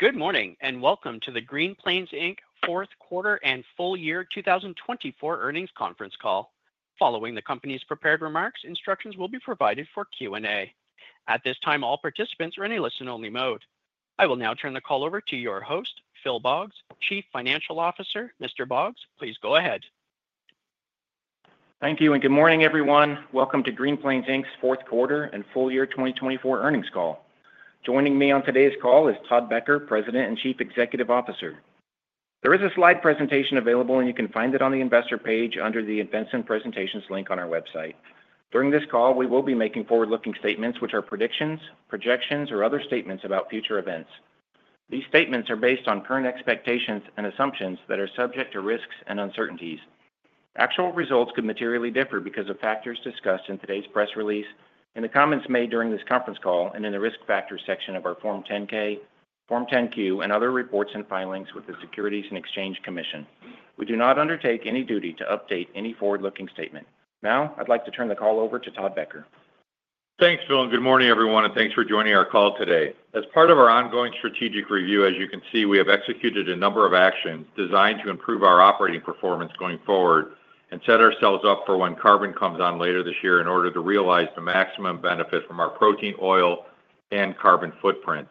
Good morning and welcome to the Green Plains Inc. fourth quarter and full year 2024 earnings conference call. Following the company's prepared remarks, instructions will be provided for Q&A. At this time, all participants are in a listen-only mode. I will now turn the call over to your host, Phil Boggs, Chief Financial Officer. Mr. Boggs, please go ahead. Thank you and good morning, everyone. Welcome to Green Plains Inc. fourth quarter and full year 2024 earnings call. Joining me on today's call is Todd Becker, President and Chief Executive Officer. There is a slide presentation available, and you can find it on the investor page under the Events and Presentations link on our website. During this call, we will be making forward-looking statements, which are predictions, projections, or other statements about future events. These statements are based on current expectations and assumptions that are subject to risks and uncertainties. Actual results could materially differ because of factors discussed in today's press release, in the comments made during this conference call, and in the risk factors section of our Form 10-K, Form 10-Q, and other reports and filings with the Securities and Exchange Commission. We do not undertake any duty to update any forward-looking statement. Now, I'd like to turn the call over to Todd Becker. Thanks, Phil, and good morning, everyone, and thanks for joining our call today. As part of our ongoing strategic review, as you can see, we have executed a number of actions designed to improve our operating performance going forward and set ourselves up for when carbon comes on later this year in order to realize the maximum benefit from our protein oil and carbon footprint.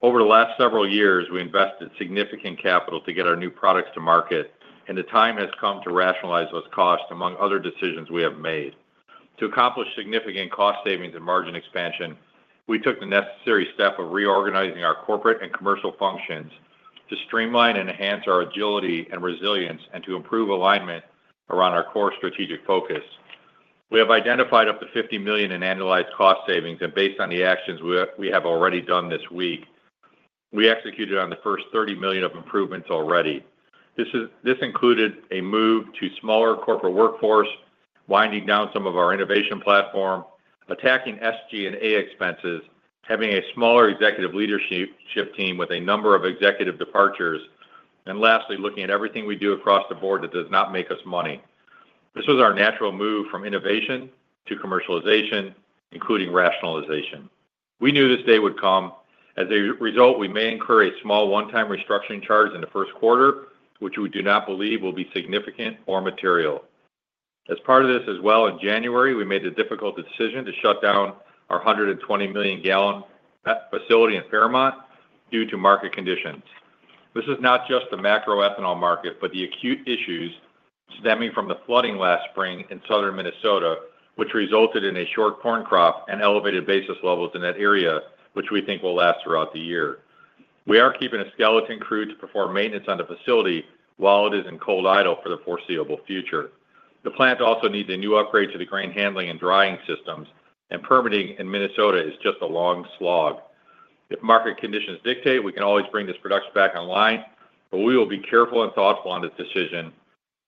Over the last several years, we invested significant capital to get our new products to market, and the time has come to rationalize those costs, among other decisions we have made. To accomplish significant cost savings and margin expansion, we took the necessary step of reorganizing our corporate and commercial functions to streamline and enhance our agility and resilience and to improve alignment around our core strategic focus. We have identified up to $50 million in annualized cost savings, and based on the actions we have already done this week, we executed on the first $30 million of improvements already. This included a move to a smaller corporate workforce, winding down some of our innovation platform, attacking SG&A expenses, having a smaller executive leadership team with a number of executive departures, and lastly, looking at everything we do across the board that does not make us money. This was our natural move from innovation to commercialization, including rationalization. We knew this day would come. As a result, we may incur a small one-time restructuring charge in the first quarter, which we do not believe will be significant or material. As part of this as well, in January, we made the difficult decision to shut down our 120-million-gallon facility in Fairmont due to market conditions. This is not just the macro ethanol market, but the acute issues stemming from the flooding last spring in southern Minnesota, which resulted in a short corn crop and elevated basis levels in that area, which we think will last throughout the year. We are keeping a skeleton crew to perform maintenance on the facility while it is in cold idle for the foreseeable future. The plant also needs a new upgrade to the grain handling and drying systems, and permitting in Minnesota is just a long slog. If market conditions dictate, we can always bring this production back online, but we will be careful and thoughtful on this decision,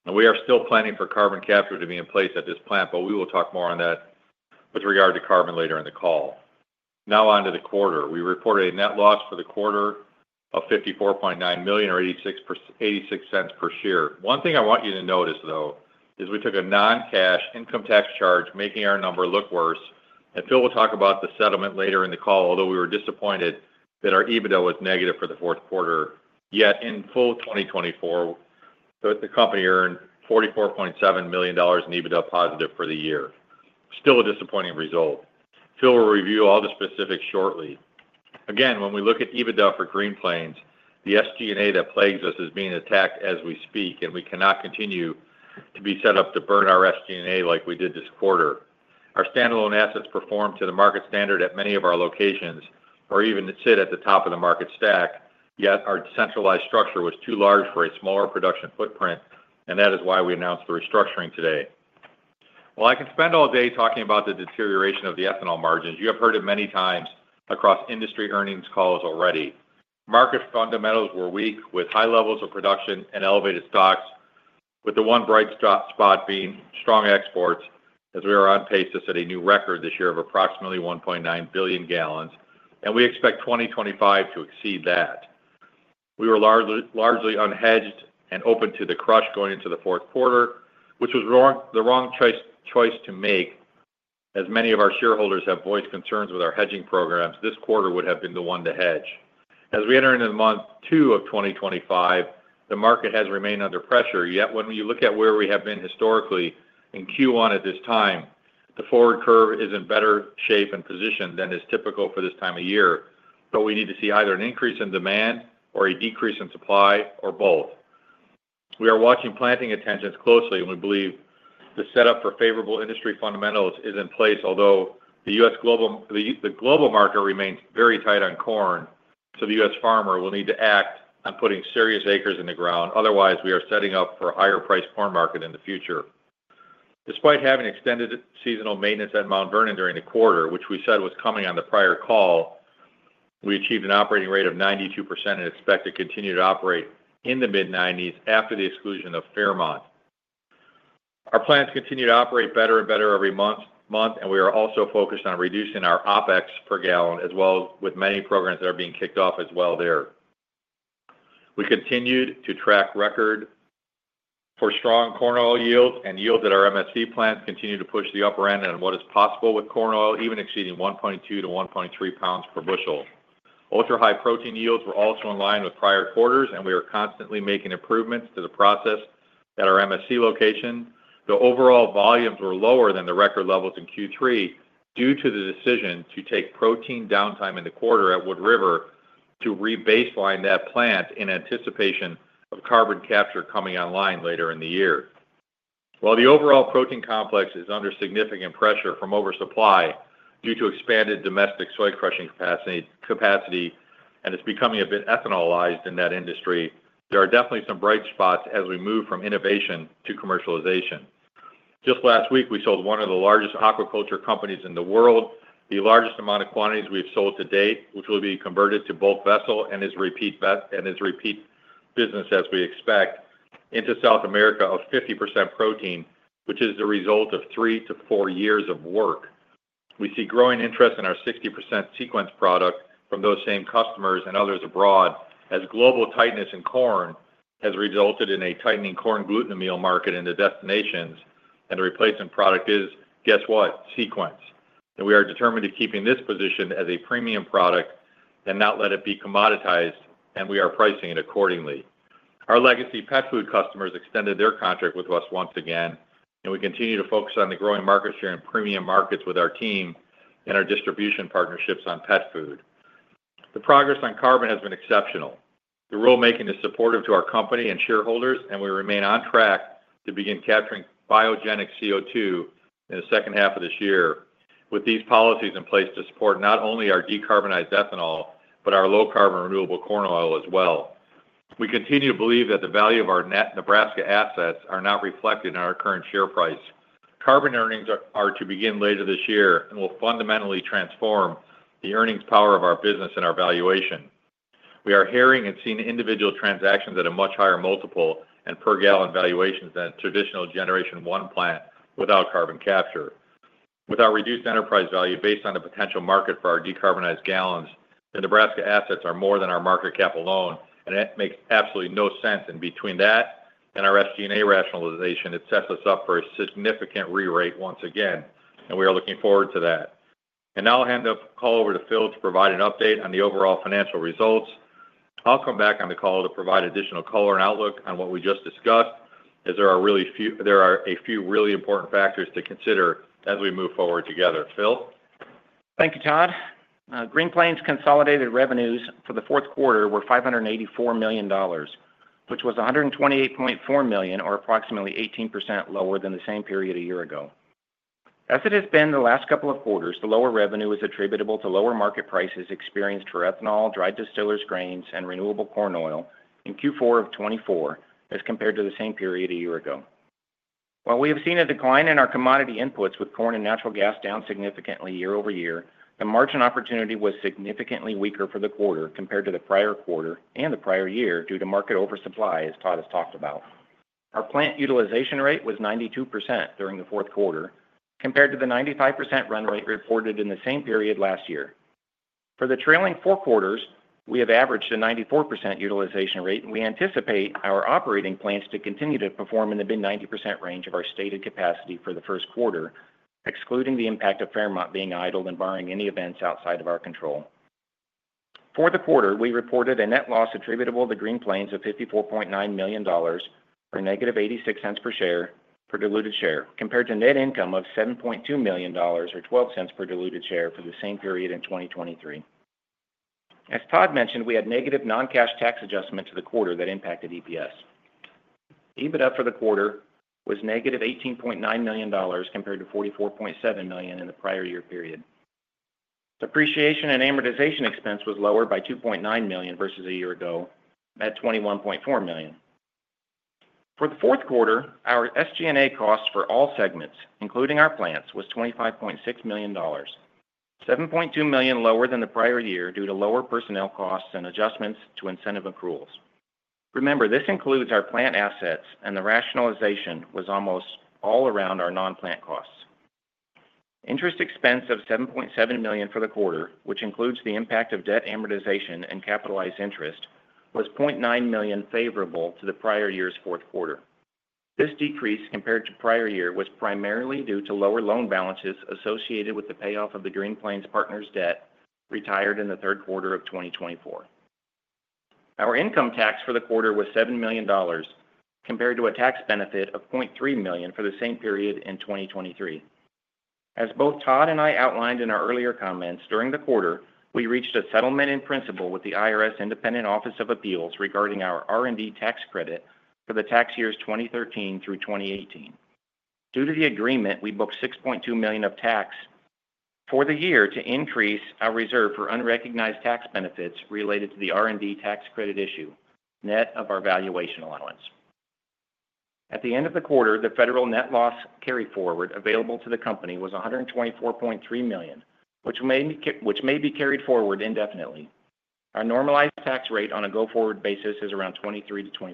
and we are still planning for carbon capture to be in place at this plant, but we will talk more on that with regard to carbon later in the call. Now, on to the quarter. We reported a net loss for the quarter of $54.9 million, or $0.86 per share. One thing I want you to notice, though, is we took a non-cash income tax charge, making our number look worse, and Phil will talk about the settlement later in the call, although we were disappointed that our EBITDA was negative for the fourth quarter. Yet, in full 2024, the company earned $44.7 million in EBITDA positive for the year. Still a disappointing result. Phil will review all the specifics shortly. Again, when we look at EBITDA for Green Plains, the SG&A that plagues us is being attacked as we speak, and we cannot continue to be set up to burn our SG&A like we did this quarter. Our standalone assets performed to the market standard at many of our locations or even sit at the top of the market stack, yet our centralized structure was too large for a smaller production footprint, and that is why we announced the restructuring today. While I can spend all day talking about the deterioration of the ethanol margins, you have heard it many times across industry earnings calls already. Market fundamentals were weak with high levels of production and elevated stocks, with the one bright spot being strong exports, as we are on pace to set a new record this year of approximately 1.9 billion gallons, and we expect 2025 to exceed that. We were largely unhedged and open to the crush going into the fourth quarter, which was the wrong choice to make, as many of our shareholders have voiced concerns with our hedging programs. This quarter would have been the one to hedge. As we enter into month two of 2025, the market has remained under pressure, yet when you look at where we have been historically in Q1 at this time, the forward curve is in better shape and position than is typical for this time of year, but we need to see either an increase in demand or a decrease in supply or both. We are watching planting intentions closely, and we believe the setup for favorable industry fundamentals is in place, although the global market remains very tight on corn, so the U.S. farmer will need to act on putting serious acres in the ground. Otherwise, we are setting up for a higher-priced corn market in the future. Despite having extended seasonal maintenance at Mount Vernon during the quarter, which we said was coming on the prior call, we achieved an operating rate of 92% and expect to continue to operate in the mid-90s after the exclusion of Fairmont. Our plants continue to operate better and better every month, and we are also focused on reducing our OpEx per gallon, as well as with many programs that are being kicked off as well there. We continued to track record for strong corn oil yields and yields at our MSC plants continue to push the upper end on what is possible with corn oil, even exceeding 1.2 lbs-1.3 lbs per bushel. Ultra-high protein yields were also in line with prior quarters, and we are constantly making improvements to the process at our MSC location. The overall volumes were lower than the record levels in Q3 due to the decision to take protein downtime in the quarter at Wood River to rebaseline that plant in anticipation of carbon capture coming online later in the year. While the overall protein complex is under significant pressure from oversupply due to expanded domestic soy crushing capacity and it's becoming a bit ethanolized in that industry, there are definitely some bright spots as we move from innovation to commercialization. Just last week, we sold one of the largest aquaculture companies in the world, the largest amount of quantities we've sold to date, which will be converted to bulk vessel and its repeat business, as we expect, into South America of 50% protein, which is the result of three to four years of work. We see growing interest in our 60% Sequence product from those same customers and others abroad, as global tightness in corn has resulted in a tightening corn gluten meal market in the destinations, and the replacement product is, guess what, Sequence, and we are determined to keep this position as a premium product and not let it be commoditized, and we are pricing it accordingly. Our legacy pet food customers extended their contract with us once again, and we continue to focus on the growing market share in premium markets with our team and our distribution partnerships on pet food. The progress on carbon has been exceptional. The rulemaking is supportive to our company and shareholders, and we remain on track to begin capturing biogenic CO2 in the second half of this year with these policies in place to support not only our decarbonized ethanol but our low-carbon renewable corn oil as well. We continue to believe that the value of our net Nebraska assets are not reflected in our current share price. Carbon earnings are to begin later this year and will fundamentally transform the earnings power of our business and our valuation. We are hearing and seeing individual transactions at a much higher multiple and per gallon valuations than a traditional generation one plant without carbon capture. With our reduced enterprise value based on the potential market for our decarbonized gallons, the Nebraska assets are more than our market cap alone, and it makes absolutely no sense in between that and our SG&A rationalization. It sets us up for a significant re-rate once again, and we are looking forward to that. And now I'll hand the call over to Phil to provide an update on the overall financial results. I'll come back on the call to provide additional color and outlook on what we just discussed, as there are a few really important factors to consider as we move forward together. Phil? Thank you, Todd. Green Plains' consolidated revenues for the fourth quarter were $584 million, which was $128.4 million, or approximately 18% lower than the same period a year ago. As it has been the last couple of quarters, the lower revenue is attributable to lower market prices experienced for ethanol, dry distillers' grains, and renewable corn oil in Q4 of 2024 as compared to the same period a year ago. While we have seen a decline in our commodity inputs with corn and natural gas down significantly year-over-year, the margin opportunity was significantly weaker for the quarter compared to the prior quarter and the prior year due to market oversupply, as Todd has talked about. Our plant utilization rate was 92% during the fourth quarter compared to the 95% run rate reported in the same period last year. For the trailing four quarters, we have averaged a 94% utilization rate, and we anticipate our operating plans to continue to perform in the mid-90% range of our stated capacity for the first quarter, excluding the impact of Fairmont being idle and barring any events outside of our control. For the quarter, we reported a net loss attributable to Green Plains of $54.9 million or $-0.86 per share per diluted share compared to net income of $7.2 million or $0.12 per diluted share for the same period in 2023. As Todd mentioned, we had negative non-cash tax adjustment to the quarter that impacted EPS. EBITDA for the quarter was $-18.9 million compared to $44.7 million in the prior year period. Depreciation and amortization expense was lower by $2.9 million versus a year ago at $21.4 million. For the fourth quarter, our SG&A cost for all segments, including our plants, was $25.6 million, $7.2 million lower than the prior year due to lower personnel costs and adjustments to incentive accruals. Remember, this includes our plant assets, and the rationalization was almost all around our non-plant costs. Interest expense of $7.7 million for the quarter, which includes the impact of debt amortization and capitalized interest, was $0.9 million favorable to the prior year's fourth quarter. This decrease compared to prior year was primarily due to lower loan balances associated with the payoff of the Green Plains partners debt retired in the third quarter of 2024. Our income tax for the quarter was $7 million compared to a tax benefit of $0.3 million for the same period in 2023. As both Todd and I outlined in our earlier comments, during the quarter, we reached a settlement in principle with the IRS Independent Office of Appeals regarding our R&D tax credit for the tax years 2013 through 2018. Due to the agreement, we booked $6.2 million of tax for the year to increase our reserve for unrecognized tax benefits related to the R&D tax credit issue net of our valuation allowance. At the end of the quarter, the federal net loss carried forward available to the company was $124.3 million, which may be carried forward indefinitely. Our normalized tax rate on a go-forward basis is around 23%-24%.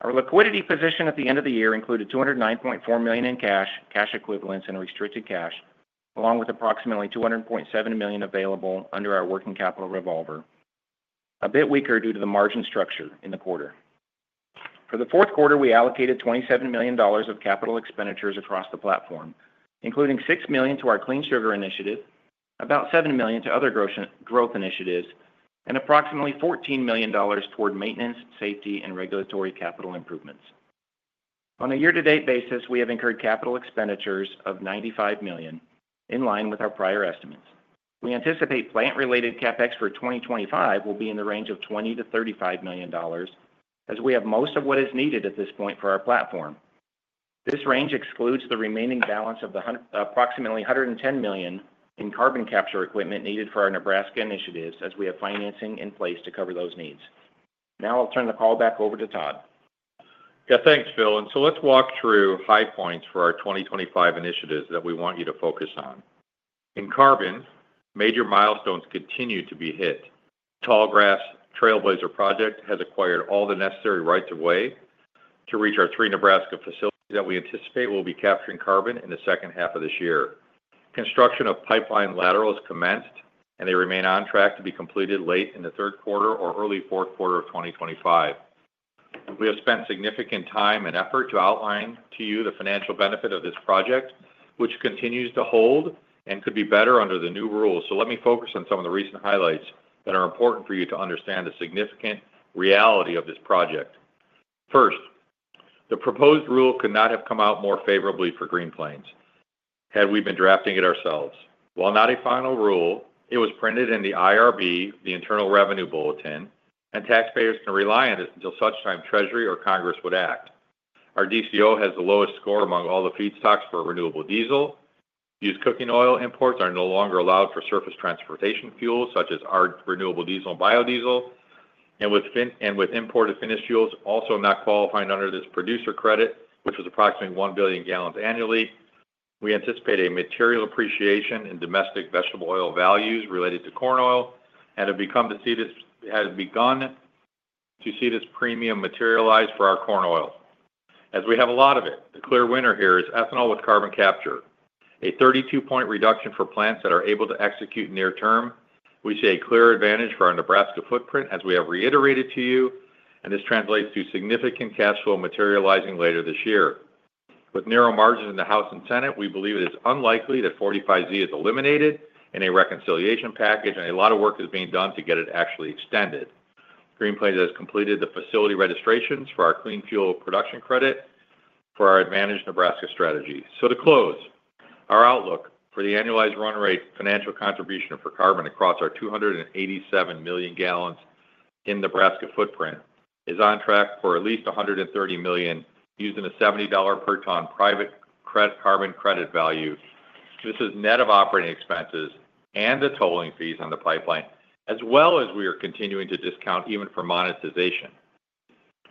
Our liquidity position at the end of the year included $209.4 million in cash, cash equivalents, and restricted cash, along with approximately $200.7 million available under our working capital revolver, a bit weaker due to the margin structure in the quarter. For the fourth quarter, we allocated $27 million of capital expenditures across the platform, including $6 million to our clean sugar initiative, about $7 million to other growth initiatives, and approximately $14 million toward maintenance, safety, and regulatory capital improvements. On a year-to-date basis, we have incurred capital expenditures of $95 million in line with our prior estimates. We anticipate plant-related CapEx for 2025 will be in the range of $20 million-$35 million, as we have most of what is needed at this point for our platform. This range excludes the remaining balance of approximately $110 million in carbon capture equipment needed for our Nebraska initiatives, as we have financing in place to cover those needs. Now I'll turn the call back over to Todd. Yeah, thanks, Phil, and so let's walk through high points for our 2025 initiatives that we want you to focus on. In carbon, major milestones continue to be hit. Tallgrass Trailblazer Project has acquired all the necessary rights of way to reach our three Nebraska facilities that we anticipate will be capturing carbon in the second half of this year. Construction of pipeline laterals commenced, and they remain on track to be completed late in the third quarter or early fourth quarter of 2025. We have spent significant time and effort to outline to you the financial benefit of this project, which continues to hold and could be better under the new rules, so let me focus on some of the recent highlights that are important for you to understand the significant reality of this project. First, the proposed rule could not have come out more favorably for Green Plains had we been drafting it ourselves. While not a final rule, it was printed in the IRB, the Internal Revenue Bulletin, and taxpayers can rely on it until such time Treasury or Congress would act. Our DCO has the lowest score among all the feedstocks for renewable diesel. Used cooking oil imports are no longer allowed for surface transportation fuels such as our renewable diesel and biodiesel, and with imported finished fuels also not qualifying under this producer credit, which was approximately 1 billion gallons annually. We anticipate a material appreciation in domestic vegetable oil values related to corn oil and have begun to see this premium materialize for our corn oil, as we have a lot of it. The clear winner here is ethanol with carbon capture, a 32-point reduction for plants that are able to execute near-term. We see a clear advantage for our Nebraska footprint, as we have reiterated to you, and this translates to significant cash flow materializing later this year. With narrow margins in the House and Senate, we believe it is unlikely that 45Z is eliminated in a reconciliation package, and a lot of work is being done to get it actually extended. Green Plains has completed the facility registrations for our clean fuel production credit for our Advantage Nebraska strategy. So to close, our outlook for the annualized run rate financial contribution for carbon across our 287 million gallons in Nebraska footprint is on track for at least $130 million using a $70 per ton private carbon credit value. This is net of operating expenses and the tolling fees on the pipeline, as well as we are continuing to discount even for monetization.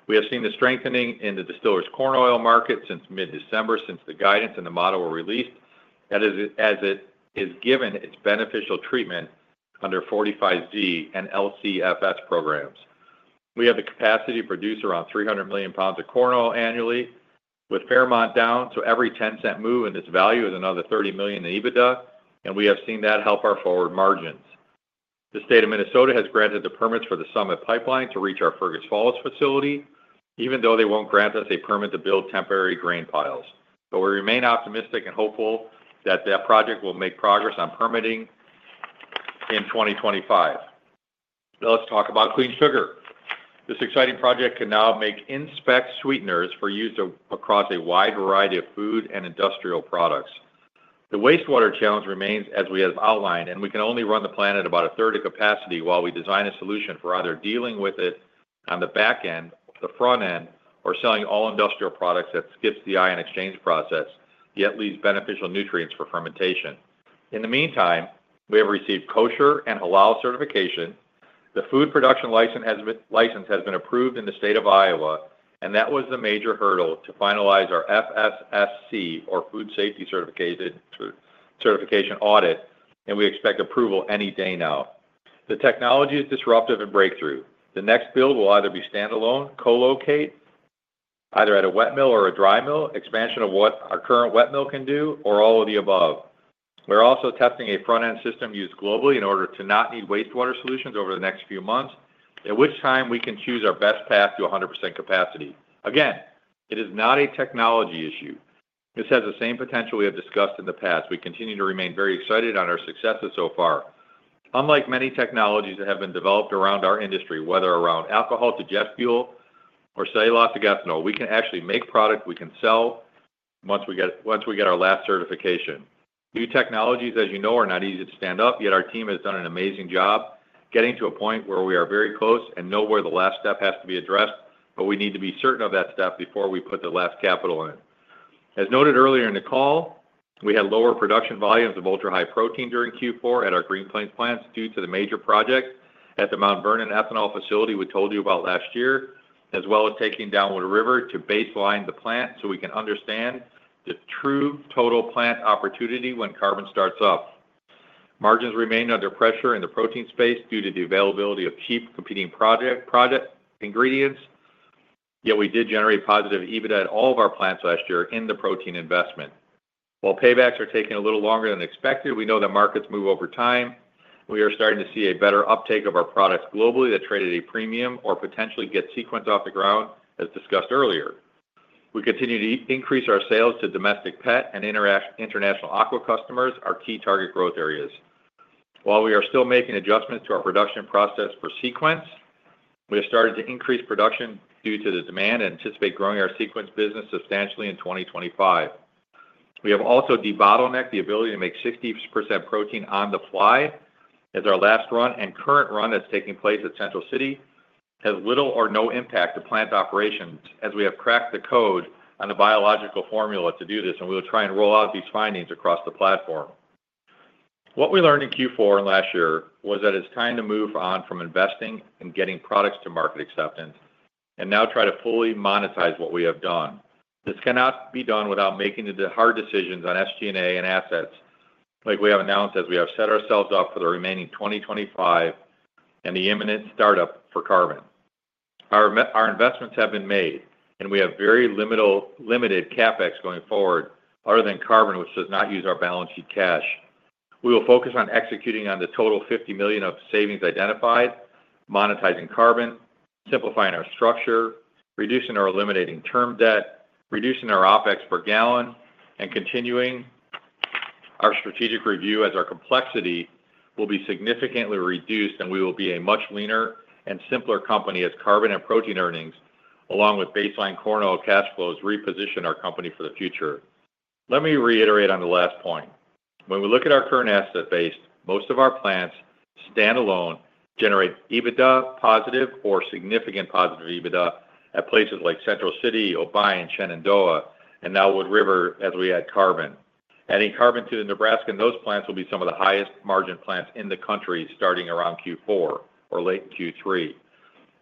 We have seen the strengthening in the distillers' corn oil market since mid-December, since the guidance and the model were released, as it is given its beneficial treatment under 45Z and LCFS programs. We have the capacity to produce around 300 million lbs of corn oil annually with Fairmont down. So every $0.10 move in this value is another $30 million in EBITDA, and we have seen that help our forward margins. The state of Minnesota has granted the permits for the Summit Pipeline to reach our Fergus Falls facility, even though they won't grant us a permit to build temporary grain piles, but we remain optimistic and hopeful that that project will make progress on permitting in 2025. Now let's talk about clean sugar. This exciting project can now make in-spec sweeteners for use across a wide variety of food and industrial products. The wastewater challenge remains, as we have outlined, and we can only run the plant about a third of capacity while we design a solution for either dealing with it on the back end, the front end, or selling all industrial products that skips the ion exchange process yet leaves beneficial nutrients for fermentation. In the meantime, we have received Kosher and Halal certification. The food production license has been approved in the state of Iowa, and that was the major hurdle to finalize our FSSC, or Food Safety System Certification, audit, and we expect approval any day now. The technology is disruptive and breakthrough. The next build will either be standalone, co-locate, either at a wet mill or a dry mill, expansion of what our current wet mill can do, or all of the above. We're also testing a front-end system used globally in order to not need wastewater solutions over the next few months, at which time we can choose our best path to 100% capacity. Again, it is not a technology issue. This has the same potential we have discussed in the past. We continue to remain very excited on our successes so far. Unlike many technologies that have been developed around our industry, whether around alcohol to jet fuel or cellulose to ethanol, we can actually make product we can sell once we get our last certification. New technologies, as you know, are not easy to stand up, yet our team has done an amazing job getting to a point where we are very close and know where the last step has to be addressed, but we need to be certain of that step before we put the last capital in. As noted earlier in the call, we had lower production volumes of ultra-high protein during Q4 at our Green Plains plants due to the major project at the Mount Vernon ethanol facility we told you about last year, as well as taking the plant down to baseline the plant so we can understand the true total plant opportunity when carbon starts up. Margins remain under pressure in the protein space due to the availability of cheap competing protein ingredients, yet we did generate positive EBITDA at all of our plants last year in the protein investment. While paybacks are taking a little longer than expected, we know that markets move over time. We are starting to see a better uptake of our products globally that trade at a premium or potentially get Sequence off the ground, as discussed earlier. We continue to increase our sales to domestic pet and international aqua customers, our key target growth areas. While we are still making adjustments to our production process for Sequence, we have started to increase production due to the demand and anticipate growing our Sequence business substantially in 2025. We have also debottlenecked the ability to make 60% protein on the fly, as our last run and current run that's taking place at Central City has little or no impact to plant operations, as we have cracked the code on the biological formula to do this, and we will try and roll out these findings across the platform. What we learned in Q4 last year was that it's time to move on from investing and getting products to market acceptance and now try to fully monetize what we have done. This cannot be done without making the hard decisions on SG&A and assets like we have announced as we have set ourselves up for the remaining 2025 and the imminent startup for carbon. Our investments have been made, and we have very limited CapEx going forward other than carbon, which does not use our balance sheet cash. We will focus on executing on the total $50 million of savings identified, monetizing carbon, simplifying our structure, reducing or eliminating term debt, reducing our OpEx per gallon, and continuing our strategic review as our complexity will be significantly reduced and we will be a much leaner and simpler company as carbon and protein earnings, along with baseline corn oil cash flows, reposition our company for the future. Let me reiterate on the last point. When we look at our current asset base, most of our plants stand alone, generate EBITDA positive or significant positive EBITDA at places like Central City, O'Brien, Shenandoah, and Wood River as we add carbon. Adding carbon to the Nebraska and those plants will be some of the highest margin plants in the country starting around Q4 or late Q3.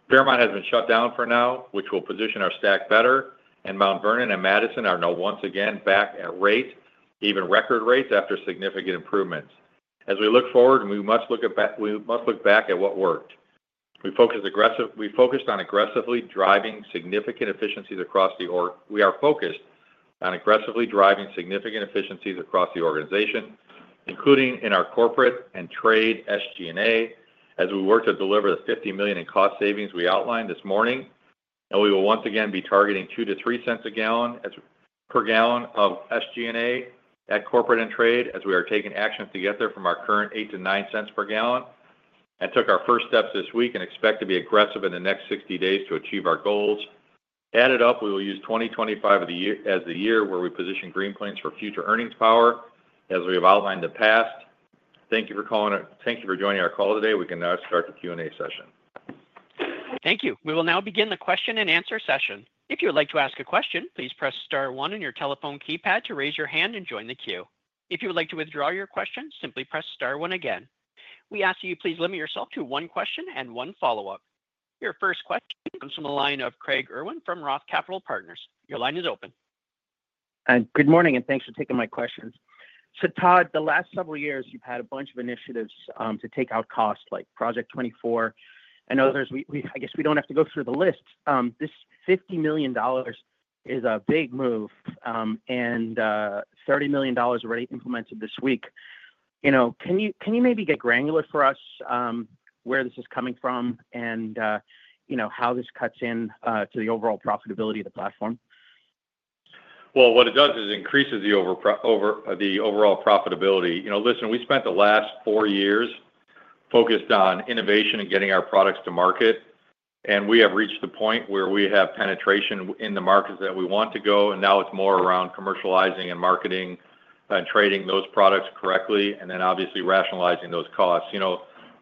Fairmont has been shut down for now, which will position our stack better, and Mount Vernon and Madison are now once again back at rate, even record rates after significant improvements. As we look forward, we must look back at what worked. We focused on aggressively driving significant efficiencies across the org. We are focused on aggressively driving significant efficiencies across the organization, including in our corporate and trade SG&A, as we work to deliver the $50 million in cost savings we outlined this morning, and we will once again be targeting $2 cents-$3 cents a gallon per gallon of SG&A at corporate and trade as we are taking action to get there from our current $8cents-$9 cents per gallon. I took our first steps this week and expect to be aggressive in the next 60 days to achieve our goals. Added up, we will use 2025 as the year where we position Green Plains for future earnings power, as we have outlined in the past. Thank you for joining our call today. We can now start the Q&A session. Thank you. We will now begin the question and answer session. If you would like to ask a question, please press star one on your telephone keypad to raise your hand and join the queue. If you would like to withdraw your question, simply press star one again. We ask that you please limit yourself to one question and one follow-up. Your first question comes from the line of Craig Irwin from Roth Capital Partners. Your line is open. Good morning and thanks for taking my questions. So Todd, the last several years, you've had a bunch of initiatives to take out costs like Project 24 and others. I guess we don't have to go through the list. This $50 million is a big move and $30 million already implemented this week. Can you maybe get granular for us where this is coming from and how this cuts into the overall profitability of the platform? What it does is increases the overall profitability. Listen, we spent the last four years focused on innovation and getting our products to market, and we have reached the point where we have penetration in the markets that we want to go, and now it's more around commercializing and marketing and trading those products correctly and then obviously rationalizing those costs.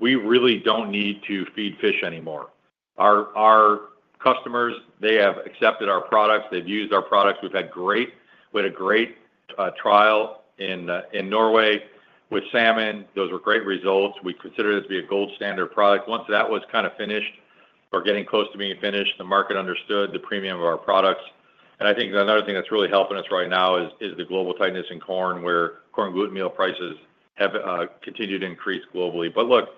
We really don't need to feed fish anymore. Our customers, they have accepted our products. They've used our products. We've had great trial in Norway with salmon. Those were great results. We consider it to be a gold standard product. Once that was kind of finished or getting close to being finished, the market understood the premium of our products. And I think another thing that's really helping us right now is the global tightness in corn where corn gluten meal prices have continued to increase globally. But look,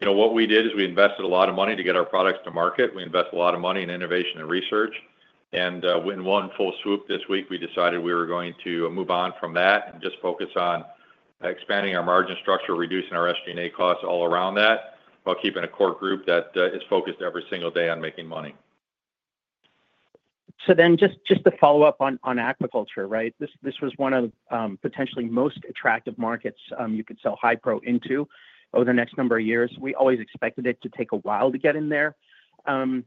what we did is we invested a lot of money to get our products to market. We invested a lot of money in innovation and research. And in one full swoop this week, we decided we were going to move on from that and just focus on expanding our margin structure, reducing our SG&A costs all around that while keeping a core group that is focused every single day on making money. So then just to follow up on aquaculture, right? This was one of potentially most attractive markets you could sell high-pro into over the next number of years. We always expected it to take a while to get in there. Can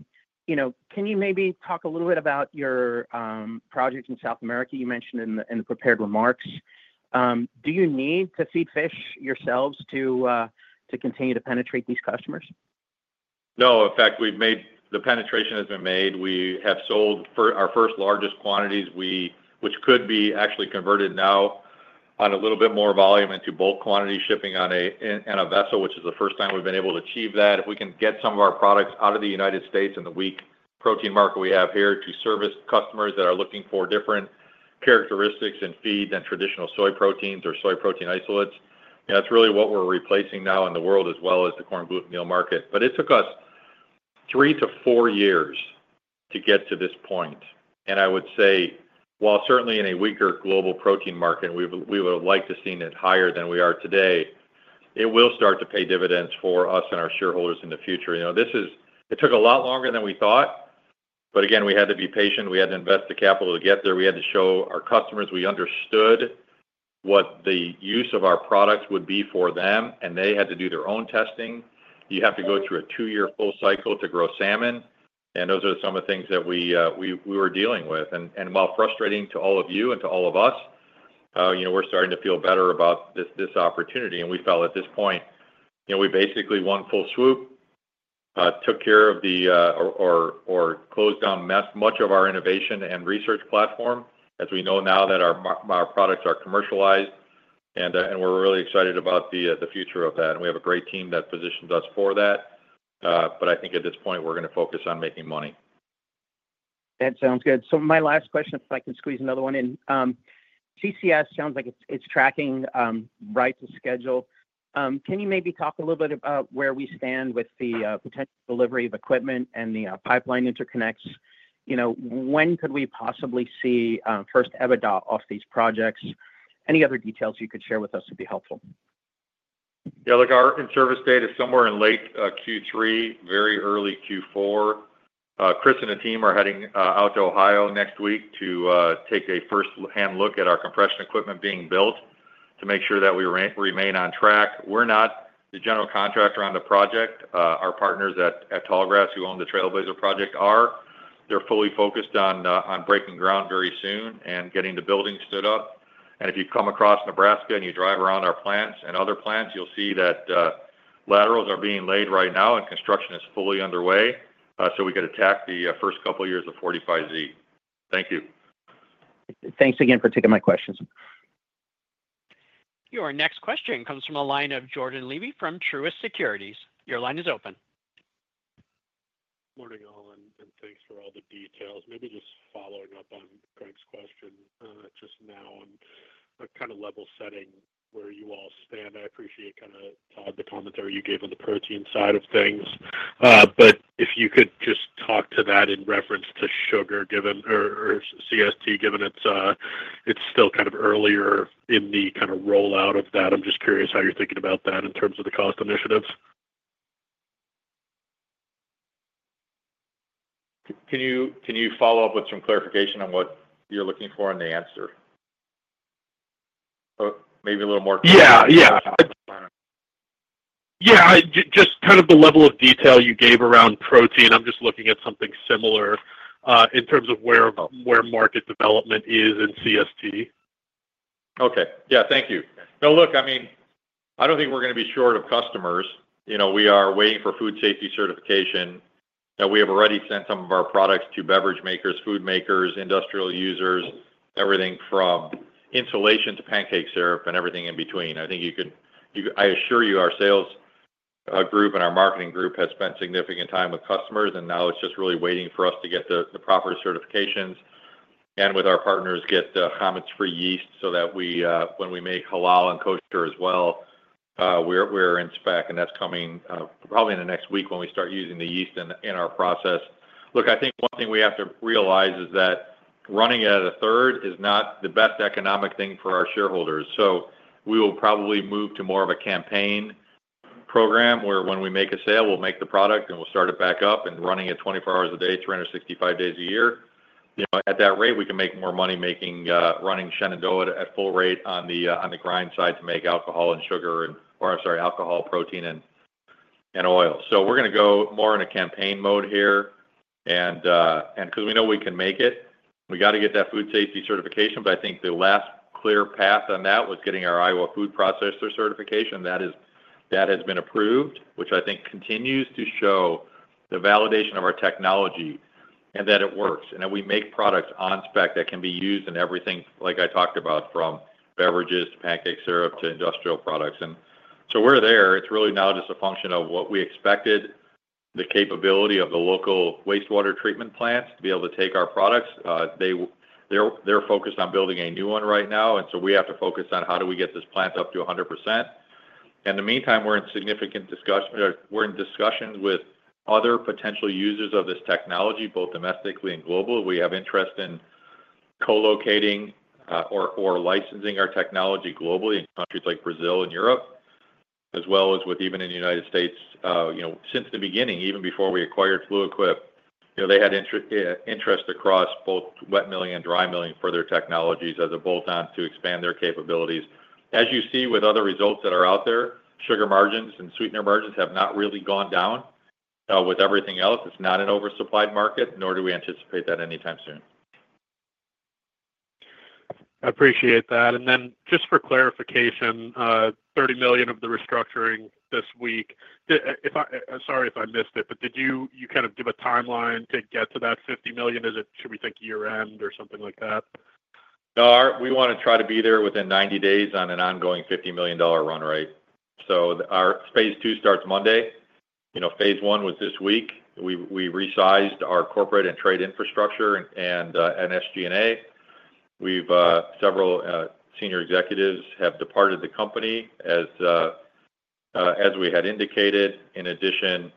you maybe talk a little bit about your project in South America? You mentioned in the prepared remarks. Do you need to feed fish yourselves to continue to penetrate these customers? No. In fact, the penetration has been made. We have sold our first largest quantities, which could be actually converted now on a little bit more volume into bulk quantity shipping on a vessel, which is the first time we've been able to achieve that. If we can get some of our products out of the United States in the weak protein market we have here to service customers that are looking for different characteristics and feeds than traditional soy proteins or soy protein isolates, that's really what we're replacing now in the world as well as the corn gluten meal market. But it took us three to four years to get to this point. I would say, while certainly in a weaker global protein market, we would have liked to have seen it higher than we are today. It will start to pay dividends for us and our shareholders in the future. It took a lot longer than we thought, but again, we had to be patient. We had to invest the capital to get there. We had to show our customers we understood what the use of our products would be for them, and they had to do their own testing. You have to go through a two-year full cycle to grow salmon, and those are some of the things that we were dealing with. While frustrating to all of you and to all of us, we're starting to feel better about this opportunity. We felt at this point we basically in one full swoop took care of or closed down much of our innovation and research platform, as we know now that our products are commercialized, and we're really excited about the future of that. We have a great team that positions us for that, but I think at this point, we're going to focus on making money. That sounds good. So my last question, if I can squeeze another one in. CCS sounds like it's tracking right to schedule. Can you maybe talk a little bit about where we stand with the potential delivery of equipment and the pipeline interconnects? When could we possibly see first EBITDA off these projects? Any other details you could share with us would be helpful. Yeah. Look, our service date is somewhere in late Q3, very early Q4. Chris and the team are heading out to Ohio next week to take a firsthand look at our compression equipment being built to make sure that we remain on track. We're not the general contractor on the project. Our partners at Tallgrass, who own the Trailblazer project, are. They're fully focused on breaking ground very soon and getting the building stood up. And if you come across Nebraska and you drive around our plants and other plants, you'll see that laterals are being laid right now, and construction is fully underway, so we could attack the first couple of years of 45Z. Thank you. Thanks again for taking my questions. Your next question comes from a line of Jordan Levy from Truist Securities. Your line is open. Morning all, and thanks for all the details. Maybe just following up on Craig's question just now on kind of level setting where you all stand. I appreciate kind of Todd, the commentary you gave on the protein side of things. But if you could just talk to that in reference to sugar or CST, given it's still kind of earlier in the kind of rollout of that, I'm just curious how you're thinking about that in terms of the cost initiatives. Can you follow up with some clarification on what you're looking for in the answer? Maybe a little more clarity. Just kind of the level of detail you gave around protein. I'm just looking at something similar in terms of where market development is in CST. Okay. Yeah. Thank you. No, look, I mean, I don't think we're going to be short of customers. We are waiting for food safety certification. We have already sent some of our products to beverage makers, food makers, industrial users, everything from insulation to pancake syrup and everything in between. I assure you our sales group and our marketing group have spent significant time with customers, and now it's just really waiting for us to get the proper certifications and with our partners get the GMO-free yeast so that when we make halal and kosher as well, we're in spec, and that's coming probably in the next week when we start using the yeast in our process. Look, I think one thing we have to realize is that running at a third is not the best economic thing for our shareholders. So we will probably move to more of a campaign program where when we make a sale, we'll make the product and we'll start it back up and running it 24 hours a day, 365 days a year. At that rate, we can make more money running Shenandoah at full rate on the grind side to make alcohol and sugar and, or I'm sorry, alcohol, protein, and oil. So we're going to go more in a campaign mode here. And because we know we can make it, we got to get that food safety certification, but I think the last clear path on that was getting our Iowa Food Processor certification. That has been approved, which I think continues to show the validation of our technology and that it works and that we make products on spec that can be used in everything like I talked about from beverages to pancake syrup to industrial products, and so we're there. It's really now just a function of what we expected, the capability of the local wastewater treatment plants to be able to take our products. They're focused on building a new one right now, and so we have to focus on how do we get this plant up to 100%. In the meantime, we're in significant discussions with other potential users of this technology, both domestically and globally. We have interest in co-locating or licensing our technology globally in countries like Brazil and Europe, as well as with even in the United States. Since the beginning, even before we acquired Fluid Quip, they had interest across both wet milling and dry milling for their technologies as a bolt-on to expand their capabilities. As you see with other results that are out there, sugar margins and sweetener margins have not really gone down with everything else. It's not an oversupplied market, nor do we anticipate that anytime soon. I appreciate that. And then just for clarification, $30 million of the restructuring this week. Sorry if I missed it, but did you kind of give a timeline to get to that $50 million? Should we think year-end or something like that? We want to try to be there within 90 days on an ongoing $50 million run rate. Phase 2 starts Monday. Phase 1 was this week. We resized our corporate and trade infrastructure and SG&A. Several senior executives have departed the company, as we had indicated, in addition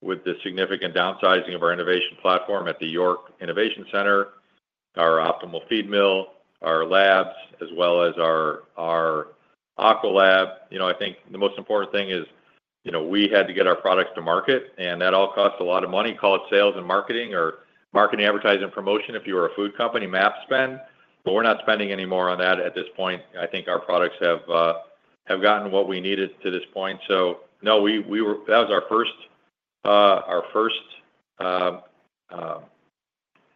with the significant downsizing of our innovation platform at the York Innovation Center, our Optimal feed mill, our labs, as well as our aqua lab. I think the most important thing is we had to get our products to market, and that all costs a lot of money. Call it sales and marketing or marketing, advertising, and promotion if you were a food company, map spend. But we're not spending any more on that at this point. I think our products have gotten what we needed to this point. So no, that was our first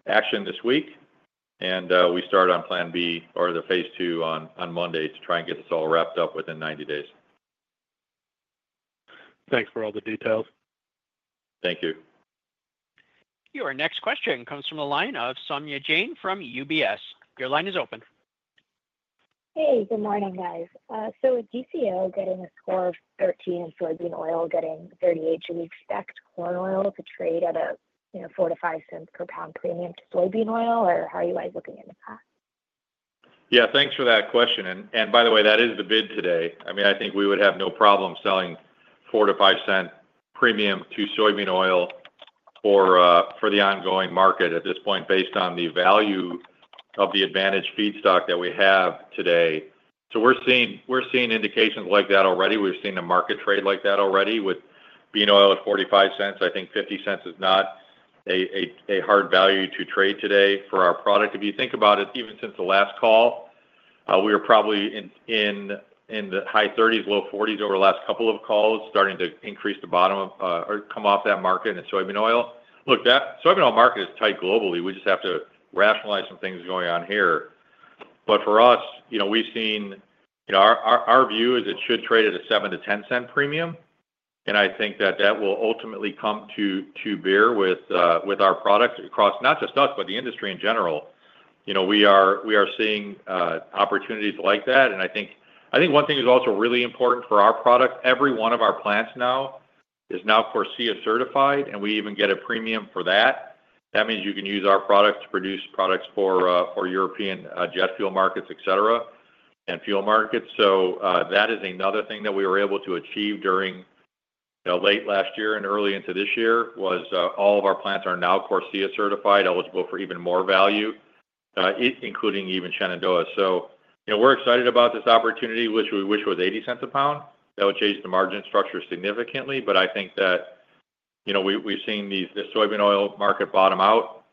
action this week, and we start on Plan B or the Phase 2 on Monday to try and get this all wrapped up within 90 days. Thanks for all the details. Thank you. Your next question comes from the line of Saumya Jain from UBS. Your line is open. Hey, good morning, guys. So is GCO getting a score of 13 and soybean oil getting 38? Do we expect corn oil to trade at a $0.04-$0.05 per pound premium to soybean oil, or how are you guys looking at the path? Yeah. Thanks for that question. And by the way, that is the bid today. I mean, I think we would have no problem selling $0.04-$0.05 premium to soybean oil for the ongoing market at this point based on the value of the advantage feed stock that we have today. So we're seeing indications like that already. We've seen a market trade like that already with bean oil at $0.45. I think $0.50 is not a hard value to trade today for our product. If you think about it, even since the last call, we were probably in the high 30s, low 40s over the last couple of calls, starting to increase the bottom or come off that market in soybean oil. Look, soybean oil market is tight globally. We just have to rationalize some things going on here. But for us, we've seen our view is it should trade at a $0.07-$0.10 premium, and I think that will ultimately come to bear with our product across not just us, but the industry in general. We are seeing opportunities like that. And I think one thing is also really important for our product. Every one of our plants now is CORSIA certified, and we even get a premium for that. That means you can use our product to produce products for European jet fuel markets, etc., and fuel markets. So that is another thing that we were able to achieve during late last year and early into this year was all of our plants are now CORSIA certified, eligible for even more value, including even Shenandoah. So we're excited about this opportunity, which we wish was $0.80 a pound. That would change the margin structure significantly, but I think that we've seen the soybean oil market bottom out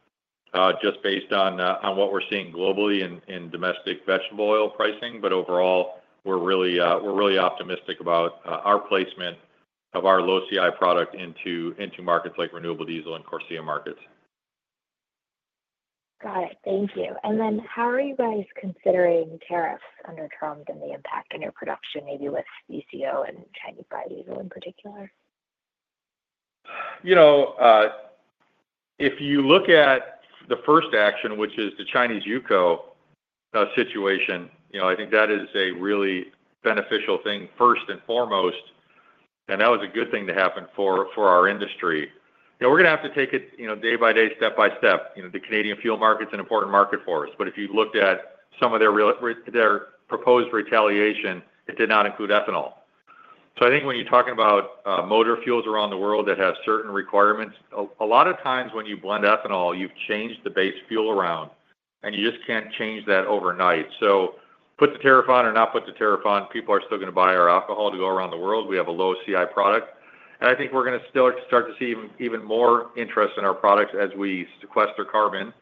just based on what we're seeing globally in domestic vegetable oil pricing, but overall, we're really optimistic about our placement of our low CI product into markets like renewable diesel and CORSIA markets. Got it. Thank you. And then how are you guys considering tariffs under Trump and the impact on your production, maybe with DCO and Chinese soy diesel in particular? If you look at the first action, which is the Chinese UCO situation, I think that is a really beneficial thing first and foremost, and that was a good thing to happen for our industry. We're going to have to take it day by day, step by step. The Canadian fuel market's an important market for us. But if you looked at some of their proposed retaliation, it did not include ethanol. So I think when you're talking about motor fuels around the world that have certain requirements, a lot of times when you blend ethanol, you've changed the base fuel around, and you just can't change that overnight. So put the tariff on or not put the tariff on, people are still going to buy our alcohol to go around the world. We have a low CI product. I think we're going to still start to see even more interest in our products as we sequester carbon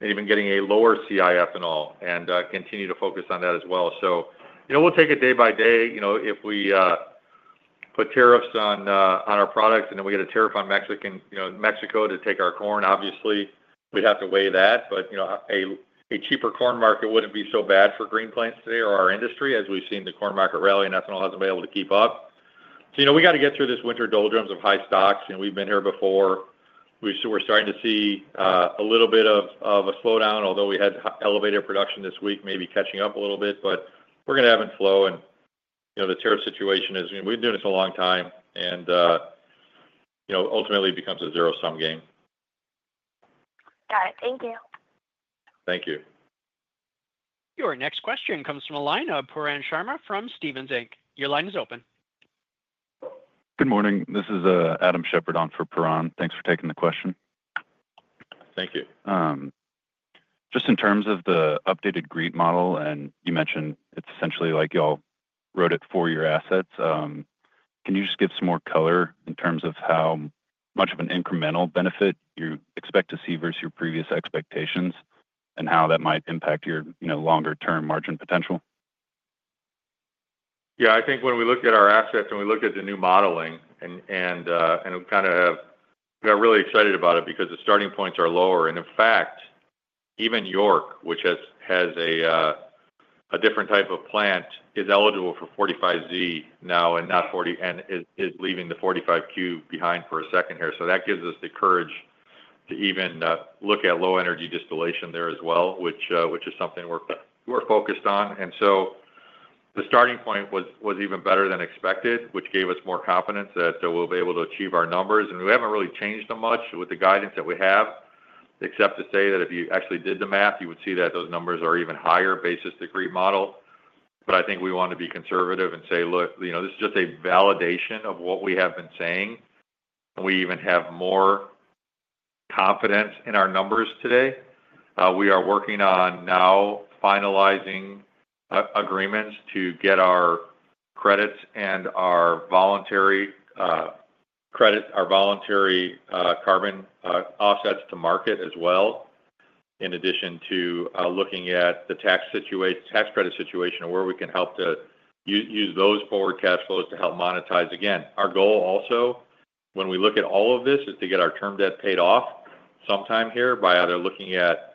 and even getting a lower CI ethanol and continue to focus on that as well. So we'll take it day by day. If we put tariffs on our products and then we get a tariff on Mexico to take our corn, obviously, we'd have to weigh that. But a cheaper corn market wouldn't be so bad for Green Plains today or our industry, as we've seen the corn market rally and ethanol hasn't been able to keep up. So we got to get through this winter doldrums of high stocks, and we've been here before. We're starting to see a little bit of a slowdown, although we had elevated production this week, maybe catching up a little bit, but we're going to have it flow. The tariff situation is we've been doing this a long time, and ultimately, it becomes a zero-sum game. Got it. Thank you. Thank you. Your next question comes from a line of Pooran Sharma from Stephens Inc. Your line is open. Good morning. This is Adam Shepherd on for Pooran. Thanks for taking the question. Thank you. Just in terms of the updated GREET model, and you mentioned it's essentially like y'all wrote it for your assets. Can you just give some more color in terms of how much of an incremental benefit you expect to see versus your previous expectations and how that might impact your longer-term margin potential? Yeah. I think when we look at our assets and we look at the new modeling and kind of have got really excited about it because the starting points are lower. And in fact, even York, which has a different type of plant, is eligible for 45Z now and is leaving the 45Q behind for a second here. So that gives us the courage to even look at low energy distillation there as well, which is something we're focused on. And so the starting point was even better than expected, which gave us more confidence that we'll be able to achieve our numbers. And we haven't really changed them much with the guidance that we have, except to say that if you actually did the math, you would see that those numbers are even higher basis GREET model. But I think we want to be conservative and say, "Look, this is just a validation of what we have been saying." We even have more confidence in our numbers today. We are working on now finalizing agreements to get our credits and our voluntary carbon offsets to market as well, in addition to looking at the tax credit situation where we can help to use those forward cash flows to help monetize. Again, our goal also, when we look at all of this, is to get our term debt paid off sometime here by either looking at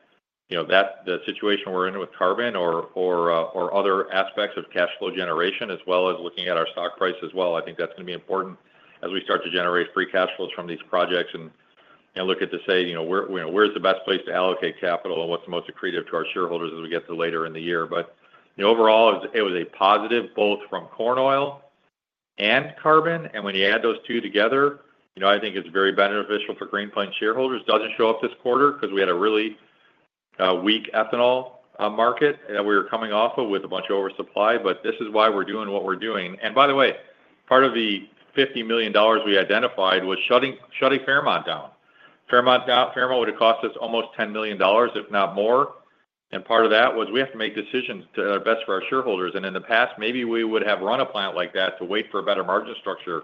the situation we're in with carbon or other aspects of cash flow generation, as well as looking at our stock price as well. I think that's going to be important as we start to generate free cash flows from these projects and look at to say, "Where's the best place to allocate capital and what's the most accretive to our shareholders as we get to later in the year?" But overall, it was a positive both from corn oil and carbon. And when you add those two together, I think it's very beneficial for Green Plains shareholders. It doesn't show up this quarter because we had a really weak ethanol market that we were coming off of with a bunch of oversupply. But this is why we're doing what we're doing. And by the way, part of the $50 million we identified was shutting Fairmont down. Fairmont would have cost us almost $10 million, if not more. And part of that was we have to make decisions to the best for our shareholders. In the past, maybe we would have run a plant like that to wait for a better margin structure.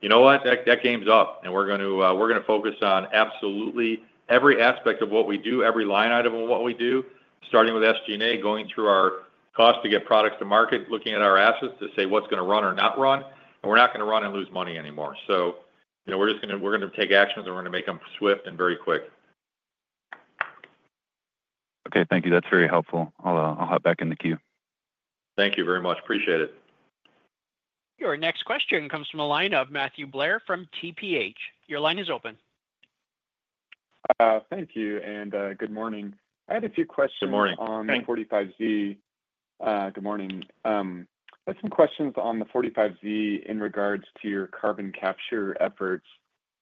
You know what? That game's up, and we're going to focus on absolutely every aspect of what we do, every line item of what we do, starting with SG&A, going through our cost to get products to market, looking at our assets to say what's going to run or not run. We're not going to run and lose money anymore. We're going to take actions, and we're going to make them swift and very quick. Okay. Thank you. That's very helpful. I'll hop back in the queue. Thank you very much. Appreciate it. Your next question comes from a line of Matthew Blair from TPH. Your line is open. Thank you. Good morning. I had a few questions on 45Z. Good morning. Good morning. I had some questions on the 45Z in regards to your carbon capture efforts.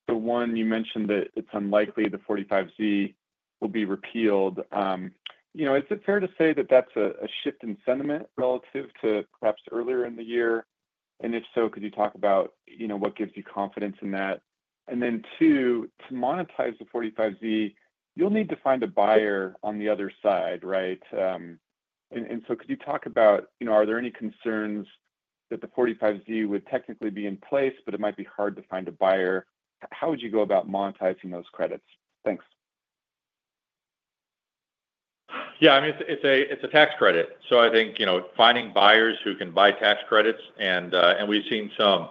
The one you mentioned that it's unlikely the 45Z will be repealed. Is it fair to say that that's a shift in sentiment relative to perhaps earlier in the year? And if so, could you talk about what gives you confidence in that? And then two, to monetize the 45Z, you'll need to find a buyer on the other side, right? And so could you talk about, are there any concerns that the 45Z would technically be in place, but it might be hard to find a buyer? How would you go about monetizing those credits? Thanks. Yeah. I mean, it's a tax credit. So I think finding buyers who can buy tax credits, and we've seen some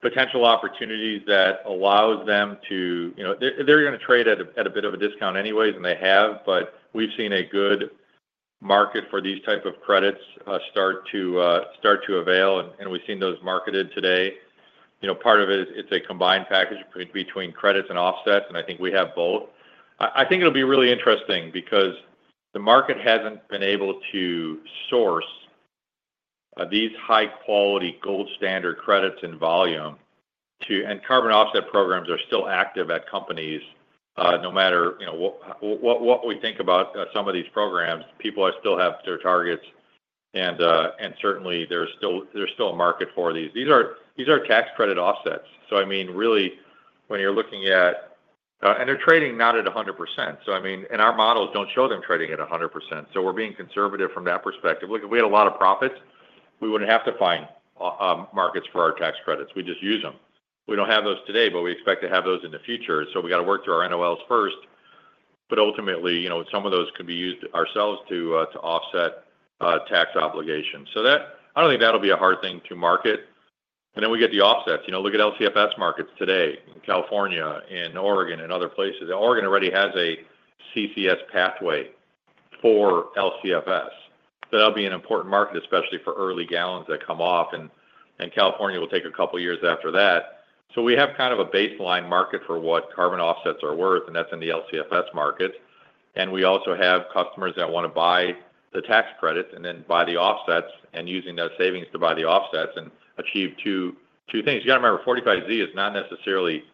potential opportunities that allows them to they're going to trade at a bit of a discount anyways, and they have. But we've seen a good market for these type of credits start to avail, and we've seen those marketed today. Part of it is it's a combined package between credits and offsets, and I think we have both. I think it'll be really interesting because the market hasn't been able to source these high-quality gold standard credits in volume, and carbon offset programs are still active at companies. No matter what we think about some of these programs, people still have their targets, and certainly, there's still a market for these. These are tax credit offsets. So I mean, really, when you're looking at and they're trading not at 100%. So I mean, and our models don't show them trading at 100%. So we're being conservative from that perspective. Look, if we had a lot of profits, we wouldn't have to find markets for our tax credits. We just use them. We don't have those today, but we expect to have those in the future. So we got to work through our NOLs first. But ultimately, some of those can be used ourselves to offset tax obligations. So I don't think that'll be a hard thing to market. And then we get the offsets. Look at LCFS markets today in California, in Oregon, and other places. Oregon already has a CCS pathway for LCFS. So that'll be an important market, especially for early gallons that come off, and California will take a couple of years after that. So we have kind of a baseline market for what carbon offsets are worth, and that's in the LCFS market. And we also have customers that want to buy the tax credits and then buy the offsets and using those savings to buy the offsets and achieve two things. You got to remember, 45Z is not necessarily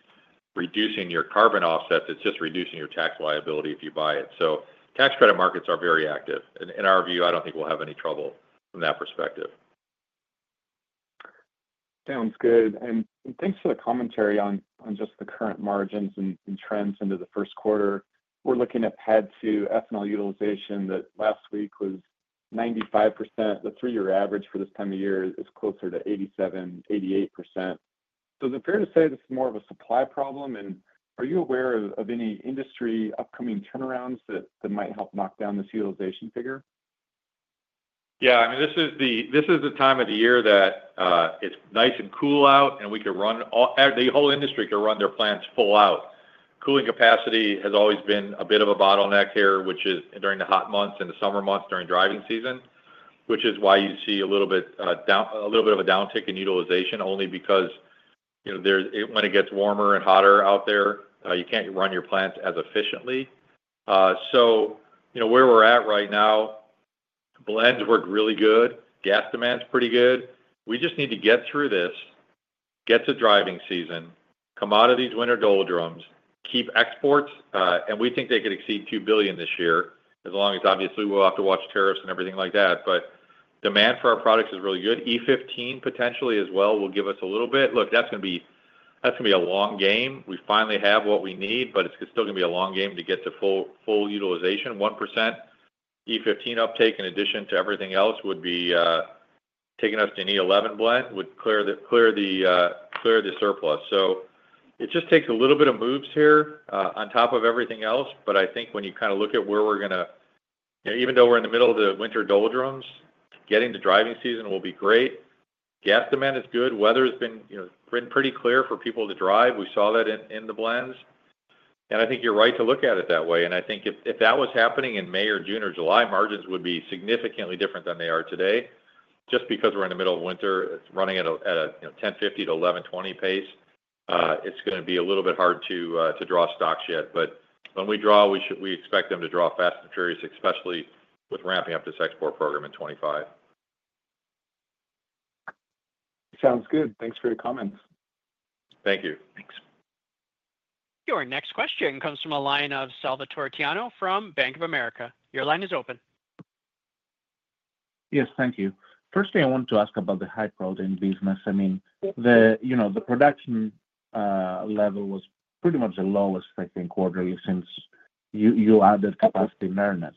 reducing your carbon offsets. It's just reducing your tax liability if you buy it. So tax credit markets are very active. In our view, I don't think we'll have any trouble from that perspective. Sounds good. And thanks for the commentary on just the current margins and trends into the first quarter. We're looking at PADD 2 ethanol utilization that last week was 95%. The three-year average for this time of year is closer to 87%-88%. So is it fair to say this is more of a supply problem? And are you aware of any industry upcoming turnarounds that might help knock down this utilization figure? Yeah. I mean, this is the time of the year that it's nice and cool out, and the whole industry can run their plants full out. Cooling capacity has always been a bit of a bottleneck here, which is during the hot months and the summer months during driving season, which is why you see a little bit of a downtick in utilization only because when it gets warmer and hotter out there, you can't run your plants as efficiently. So where we're at right now, blends work really good. Gas demand's pretty good. We just need to get through this, get to driving season, commodities winter doldrums, keep exports. And we think they could exceed 2 billion this year as long as, obviously, we'll have to watch tariffs and everything like that. But demand for our products is really good. E15 potentially as well will give us a little bit. Look, that's going to be a long game. We finally have what we need, but it's still going to be a long game to get to full utilization. 1% E15 uptake in addition to everything else would be taking us to an E11 blend, would clear the surplus. So it just takes a little bit of moves here on top of everything else. But I think when you kind of look at where we're going to, even though we're in the middle of the winter doldrums, getting to driving season will be great. Gas demand is good. Weather has been pretty clear for people to drive. We saw that in the blends, and I think you're right to look at it that way. And I think if that was happening in May or June or July, margins would be significantly different than they are today. Just because we're in the middle of winter, running at a 1050 pace-1120 pace, it's going to be a little bit hard to draw stocks yet. But when we draw, we expect them to draw fast and furious, especially with ramping up this export program in 2025. Sounds good. Thanks for your comments. Thank you. Thanks. Your next question comes from a line of Salvator Tiano from Bank of America. Your line is open. Yes, thank you. Firstly, I wanted to ask about the high protein business. I mean, the production level was pretty much the lowest, I think, quarterly since you added capacity in earnest.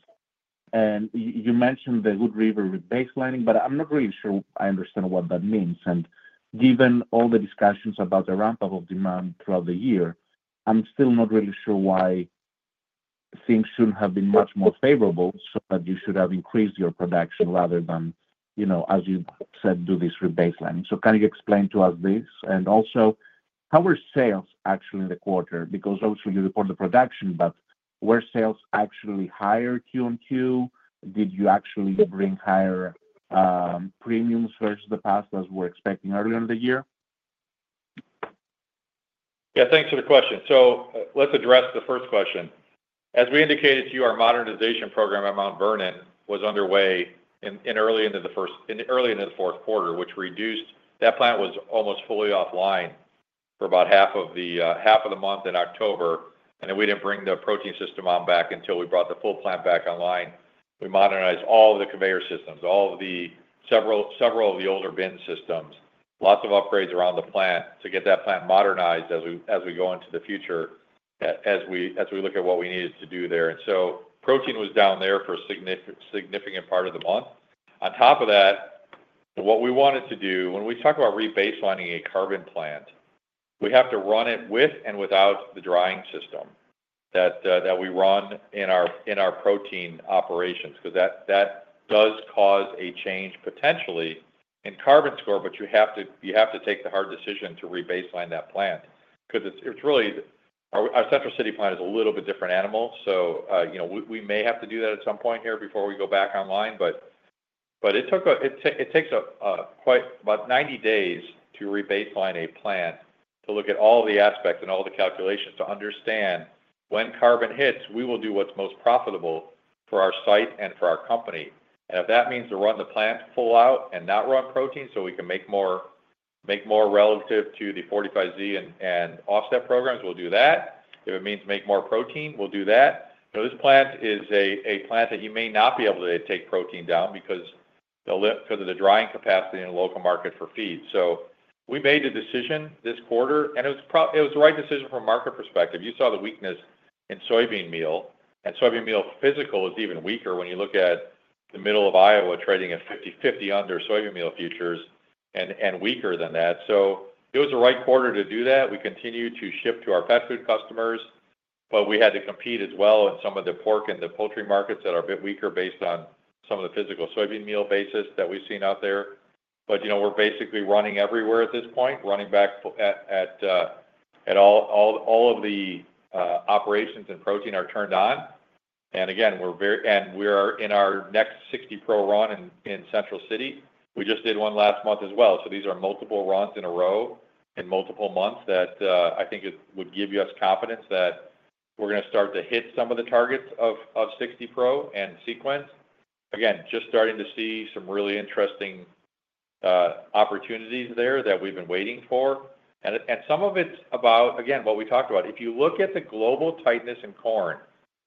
And you mentioned the Wood River baselining, but I'm not really sure I understand what that means. And given all the discussions about the ramp-up of demand throughout the year, I'm still not really sure why things shouldn't have been much more favorable so that you should have increased your production rather than, as you said, do this rebaseline. So can you explain to us this? And also, how were sales actually in the quarter? Because obviously, you report the production, but were sales actually higher Q on Q? Did you actually bring higher premiums versus the past as we're expecting earlier in the year? Yeah. Thanks for the question. So let's address the first question. As we indicated to you, our modernization program at Mount Vernon was underway early into the fourth quarter, which reduced that plant was almost fully offline for about half of the month in October. And then we didn't bring the protein system back on until we brought the full plant back online. We modernized all of the conveyor systems, all of the several of the older bin systems, lots of upgrades around the plant to get that plant modernized as we go into the future as we look at what we needed to do there. And so protein was down there for a significant part of the month. On top of that, what we wanted to do, when we talk about rebaselining a carbon plant, we have to run it with and without the drying system that we run in our protein operations because that does cause a change potentially in carbon score, but you have to take the hard decision to rebaseline that plant because it's really our Central City plant is a little bit different animal. So we may have to do that at some point here before we go back online. But it takes about 90 days to rebaseline a plant to look at all the aspects and all the calculations to understand when carbon hits, we will do what's most profitable for our site and for our company. And if that means to run the plant full out and not run protein so we can make more relative to the 45Z and offset programs, we'll do that. If it means make more protein, we'll do that. This plant is a plant that you may not be able to take protein down because of the drying capacity in the local market for feed. So we made the decision this quarter, and it was the right decision from a market perspective. You saw the weakness in soybean meal, and soybean meal physical is even weaker when you look at the middle of Iowa trading at 50/50 under soybean meal futures and weaker than that. So it was the right quarter to do that. We continue to ship to our pet food customers, but we had to compete as well in some of the pork and the poultry markets that are a bit weaker based on some of the physical soybean meal basis that we've seen out there. But we're basically running everywhere at this point, running back at all of the operations and protein are turned on. And again, we're in our next 60 Pro run in Central City. We just did one last month as well. So these are multiple runs in a row in multiple months that I think would give us confidence that we're going to start to hit some of the targets of 60 Pro and Sequence. Again, just starting to see some really interesting opportunities there that we've been waiting for. And some of it's about, again, what we talked about. If you look at the global tightness in corn,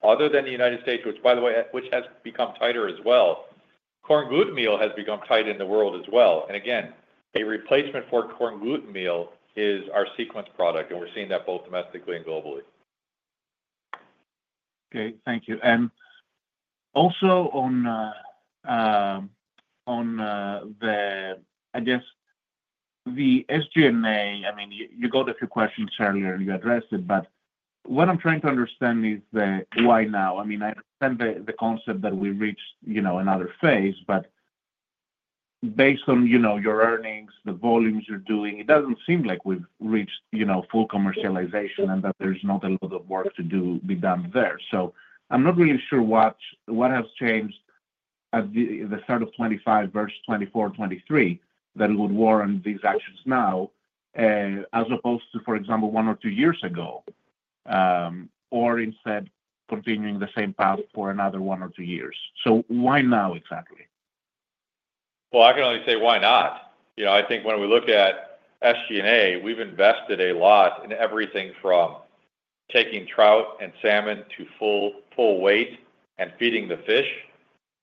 other than the United States, which, by the way, has become tighter as well, corn gluten meal has become tight in the world as well. And again, a replacement for corn gluten meal is our Sequence product, and we're seeing that both domestically and globally. Okay. Thank you. And also on the, I guess, the SG&A, I mean, you got a few questions earlier, and you addressed it, but what I'm trying to understand is the why now. I mean, I understand the concept that we reached another phase, but based on your earnings, the volumes you're doing, it doesn't seem like we've reached full commercialization and that there's not a lot of work to be done there. So I'm not really sure what has changed at the start of 2025 versus 2024, 2023 that would warrant these actions now as opposed to, for example, one or two years ago, or instead continuing the same path for another one or two years. So why now exactly? I can only say why not. I think when we look at SG&A, we've invested a lot in everything from taking trout and salmon to full weight and feeding the fish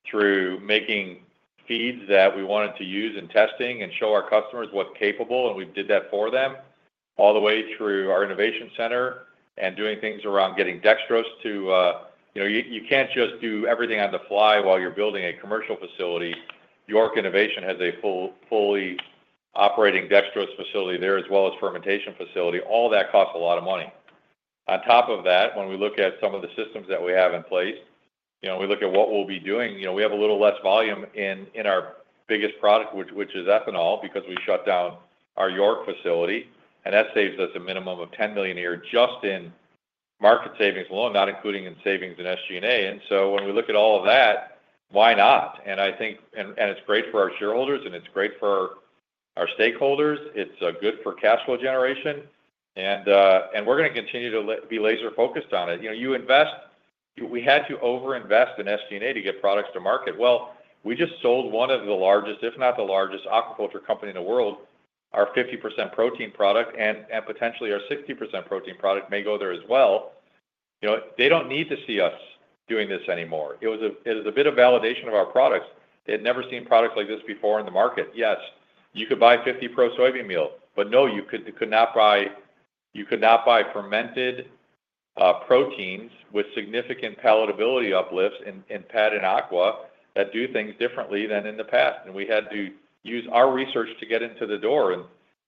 through making feeds that we wanted to use in testing and show our customers what's capable, and we did that for them, all the way through our innovation center and doing things around getting dextrose. You can't just do everything on the fly while you're building a commercial facility. York Innovation Center has a fully operating dextrose facility there as well as fermentation facility. All that costs a lot of money. On top of that, when we look at some of the systems that we have in place, we look at what we'll be doing. We have a little less volume in our biggest product, which is ethanol, because we shut down our York facility. That saves us a minimum of $10 million a year just in market savings, alone, not including in savings in SG&A. When we look at all of that, why not? It's great for our shareholders, and it's great for our stakeholders. It's good for cash flow generation. We're going to continue to be laser-focused on it. You invest. We had to over-invest in SG&A to get products to market. We just sold one of the largest, if not the largest aquaculture company in the world, our 50% protein product, and potentially our 60% protein product may go there as well. They don't need to see us doing this anymore. It was a bit of validation of our products. They had never seen products like this before in the market. Yes, you could buy 50 Pro soybean meal, but no, you could not buy fermented proteins with significant palatability uplifts in pet and aqua that do things differently than in the past. And we had to use our research to get into the door. And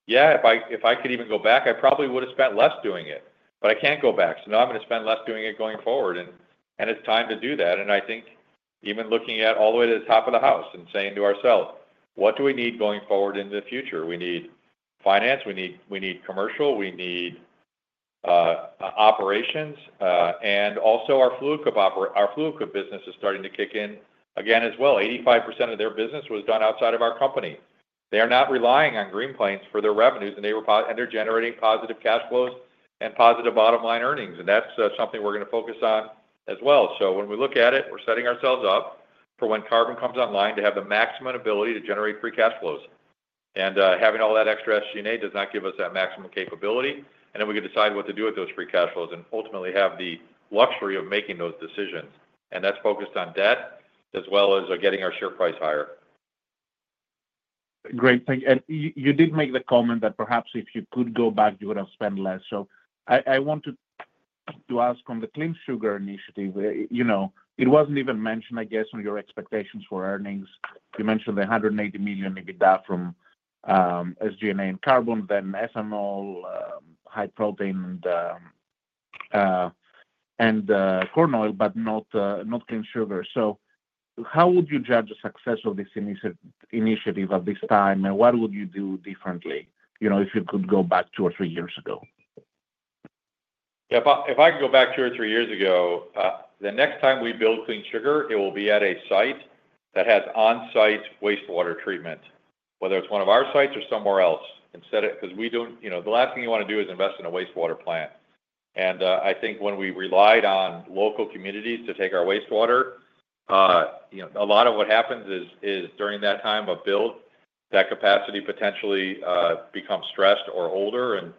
yeah, if I could even go back, I probably would have spent less doing it. But I can't go back. So now I'm going to spend less doing it going forward. And it's time to do that. And I think even looking at all the way to the top of the house and saying to ourselves, what do we need going forward into the future? We need finance. We need commercial. We need operations. And also our Fluid Quip business is starting to kick in again as well. 85% of their business was done outside of our company. They are not relying on Green Plains for their revenues, and they're generating positive cash flows and positive bottom line earnings. And that's something we're going to focus on as well. So when we look at it, we're setting ourselves up for when carbon comes online to have the maximum ability to generate free cash flows. And having all that extra SG&A does not give us that maximum capability. And then we can decide what to do with those free cash flows and ultimately have the luxury of making those decisions. And that's focused on debt as well as getting our share price higher. Great. Thank you. And you did make the comment that perhaps if you could go back, you would have spent less. So I want to ask on the clean sugar initiative. It wasn't even mentioned, I guess, on your expectations for earnings. You mentioned the $180 million EBITDA from SG&A and carbon, then ethanol, high protein, and corn oil, but not clean sugar. So how would you judge the success of this initiative at this time? And what would you do differently if you could go back two or three years ago? Yeah. If I could go back two or three years ago, the next time we build Clean Sugar, it will be at a site that has on-site wastewater treatment, whether it's one of our sites or somewhere else. Because we don't, the last thing you want to do is invest in a wastewater plant. And I think when we relied on local communities to take our wastewater, a lot of what happens is during that time of build, that capacity potentially becomes stressed or older, and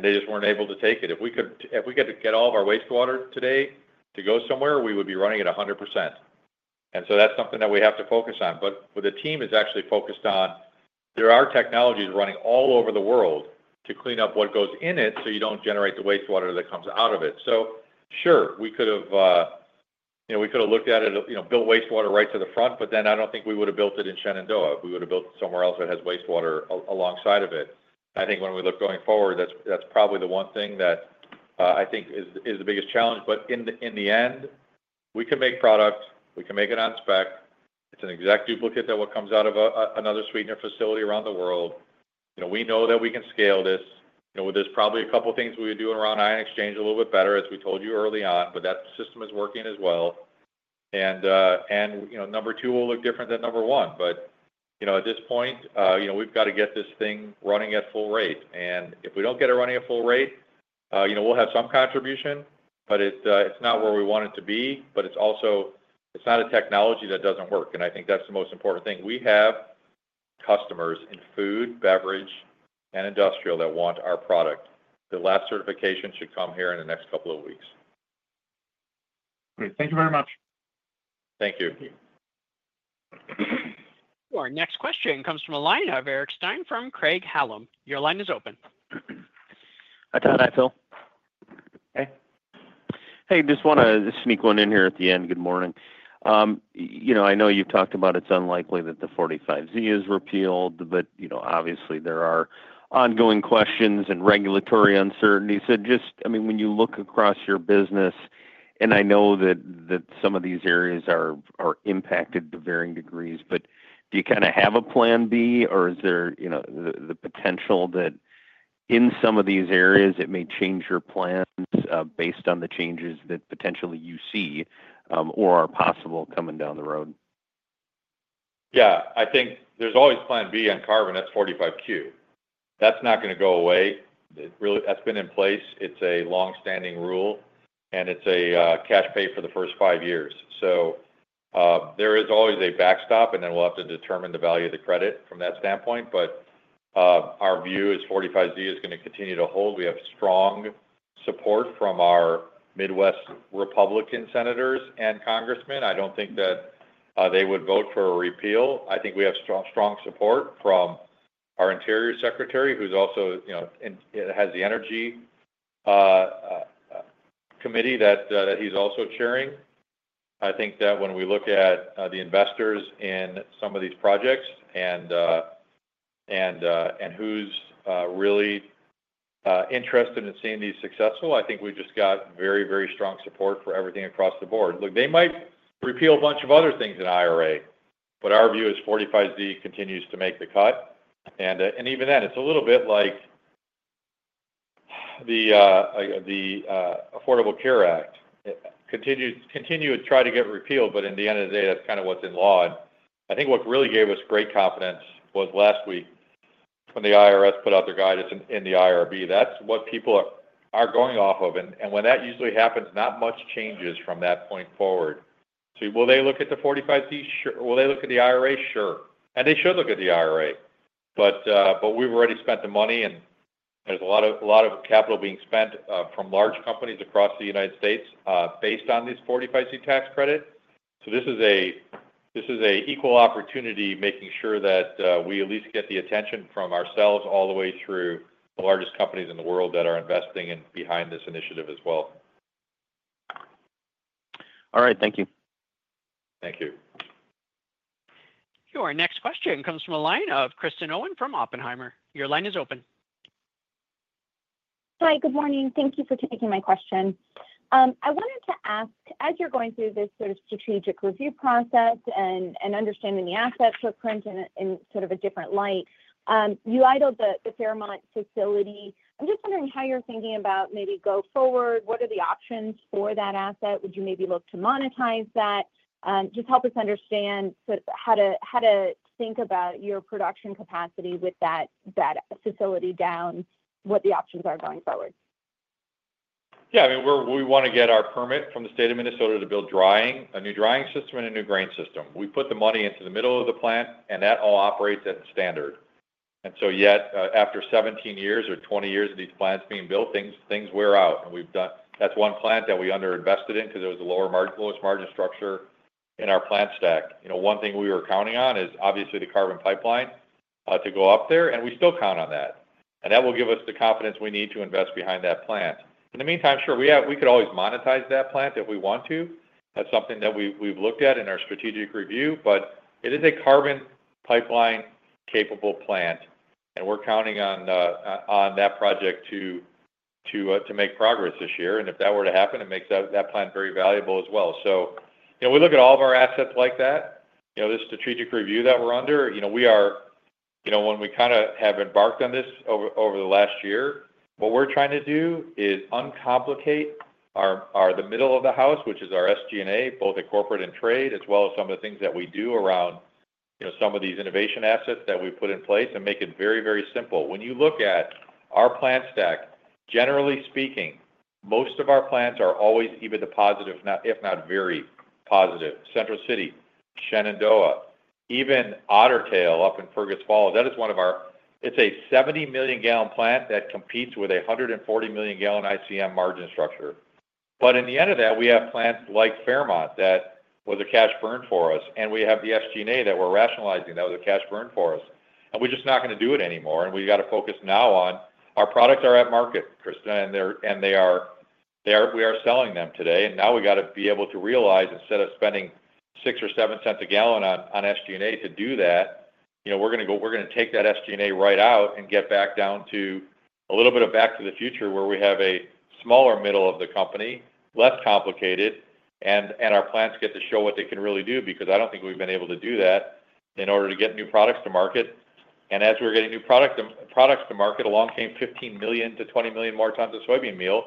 they just weren't able to take it. If we could get all of our wastewater today to go somewhere, we would be running at 100%. And so that's something that we have to focus on. But the team is actually focused on. There are technologies running all over the world to clean up what goes in it so you don't generate the wastewater that comes out of it. So sure, we could have looked at it, built wastewater right to the front, but then I don't think we would have built it in Shenandoah. We would have built it somewhere else that has wastewater alongside of it. I think when we look going forward, that's probably the one thing that I think is the biggest challenge. But in the end, we can make product. We can make it on spec. It's an exact duplicate of what comes out of another sweetener facility around the world. We know that we can scale this. There's probably a couple of things we would do around Ion Exchange a little bit better, as we told you early on, but that system is working as well. And number two will look different than number one. But at this point, we've got to get this thing running at full rate. And if we don't get it running at full rate, we'll have some contribution, but it's not where we want it to be. But it's not a technology that doesn't work. And I think that's the most important thing. We have customers in food, beverage, and industrial that want our product. The last certification should come here in the next couple of weeks. Great. Thank you very much. Thank you. Our next question comes from a line of Eric Stine from Craig-Hallum. Your line is open. Hi, Todd, hi Phil. Hey. Hey, just want to sneak one in here at the end. Good morning. I know you've talked about it's unlikely that the 45Z is repealed, but obviously, there are ongoing questions and regulatory uncertainties. So just, I mean, when you look across your business, and I know that some of these areas are impacted to varying degrees, but do you kind of have a Plan B, or is there the potential that in some of these areas, it may change your plans based on the changes that potentially you see or are possible coming down the road? Yeah. I think there's always Plan B on carbon. That's 45Q. That's not going to go away. That's been in place. It's a long-standing rule, and it's a cash pay for the first five years. So there is always a backstop, and then we'll have to determine the value of the credit from that standpoint. But our view is 45Z is going to continue to hold. We have strong support from our Midwest Republican senators and congressmen. I don't think that they would vote for a repeal. I think we have strong support from our interior secretary, who also has the energy committee that he's also chairing. I think that when we look at the investors in some of these projects and who's really interested in seeing these successful, I think we just got very, very strong support for everything across the board. Look, they might repeal a bunch of other things in IRA, but our view is 45Z continues to make the cut. And even then, it's a little bit like the Affordable Care Act. Continue to try to get repealed, but in the end of the day, that's kind of what's in law. And I think what really gave us great confidence was last week when the IRS put out their guidance in the IRB. That's what people are going off of. And when that usually happens, not much changes from that point forward. So will they look at the 45Z? Sure. Will they look at the IRA? Sure. And they should look at the IRA. But we've already spent the money, and there's a lot of capital being spent from large companies across the United States based on this 45Z tax credit. So this is an equal opportunity making sure that we at least get the attention from ourselves all the way through the largest companies in the world that are investing behind this initiative as well. All right. Thank you. Thank you. Your next question comes from a line of Kristen Owen from Oppenheimer. Your line is open. Hi, good morning. Thank you for taking my question. I wanted to ask, as you're going through this sort of strategic review process and understanding the asset footprint in sort of a different light, you idled the Fairmont facility. I'm just wondering how you're thinking about maybe go forward. What are the options for that asset? Would you maybe look to monetize that? Just help us understand how to think about your production capacity with that facility down, what the options are going forward. Yeah. I mean, we want to get our permit from the state of Minnesota to build a new drying system and a new grain system. We put the money into the middle of the plant, and that all operates at the standard, and so yet, after 17 years or 20 years of these plants being built, things wear out, and that's one plant that we underinvested in because it was the lowest margin structure in our plant stack. One thing we were counting on is obviously the carbon pipeline to go up there, and we still count on that, and that will give us the confidence we need to invest behind that plant. In the meantime, sure, we could always monetize that plant if we want to. That's something that we've looked at in our strategic review, but it is a carbon pipeline-capable plant. And we're counting on that project to make progress this year. And if that were to happen, it makes that plant very valuable as well. So we look at all of our assets like that. This strategic review that we're under, we are when we kind of have embarked on this over the last year, what we're trying to do is uncomplicate the middle of the house, which is our SG&A, both in corporate and trade, as well as some of the things that we do around some of these innovation assets that we put in place and make it very, very simple. When you look at our plant stack, generally speaking, most of our plants are always even the positive, if not very positive. Central City, Shenandoah, even Otter Tail up in Fergus Falls. That is one of ours, it's a 70-million-gallon plant that competes with a 140-million-gallon ICM margin structure, but in the end of that, we have plants like Fairmont that was a cash burn for us, and we have the SG&A that we're rationalizing that was a cash burn for us, and we're just not going to do it anymore, and we've got to focus now on our products are at market, Kristin, and we are selling them today. Now we've got to be able to realize instead of spending $0.06 or $0.07 a gallon on SG&A to do that. We're going to take that SG&A right out and get back down to a little bit of back to the future where we have a smaller middle of the company, less complicated, and our plants get to show what they can really do because I don't think we've been able to do that in order to get new products to market. As we're getting new products to market, along came 15 million-20 million more tons of soybean meal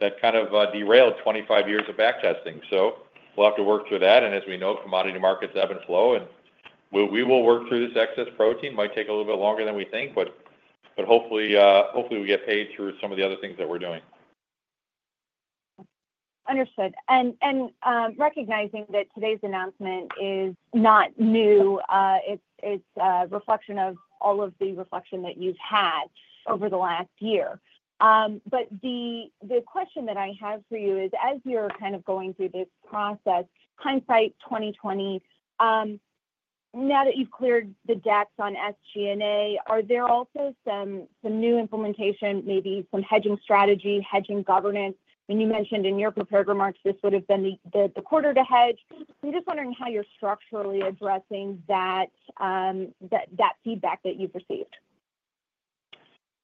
that kind of derailed 25 years of back testing. We'll have to work through that. As we know, commodity markets ebb and flow. We will work through this excess protein. It might take a little bit longer than we think, but hopefully, we get paid through some of the other things that we're doing. Understood. And recognizing that today's announcement is not new, it's a reflection of all of the reflection that you've had over the last year. But the question that I have for you is, as you're kind of going through this process, hindsight 2020, now that you've cleared the decks on SG&A, are there also some new implementation, maybe some hedging strategy, hedging governance? I mean, you mentioned in your prepared remarks, this would have been the quarter to hedge. I'm just wondering how you're structurally addressing that feedback that you've received.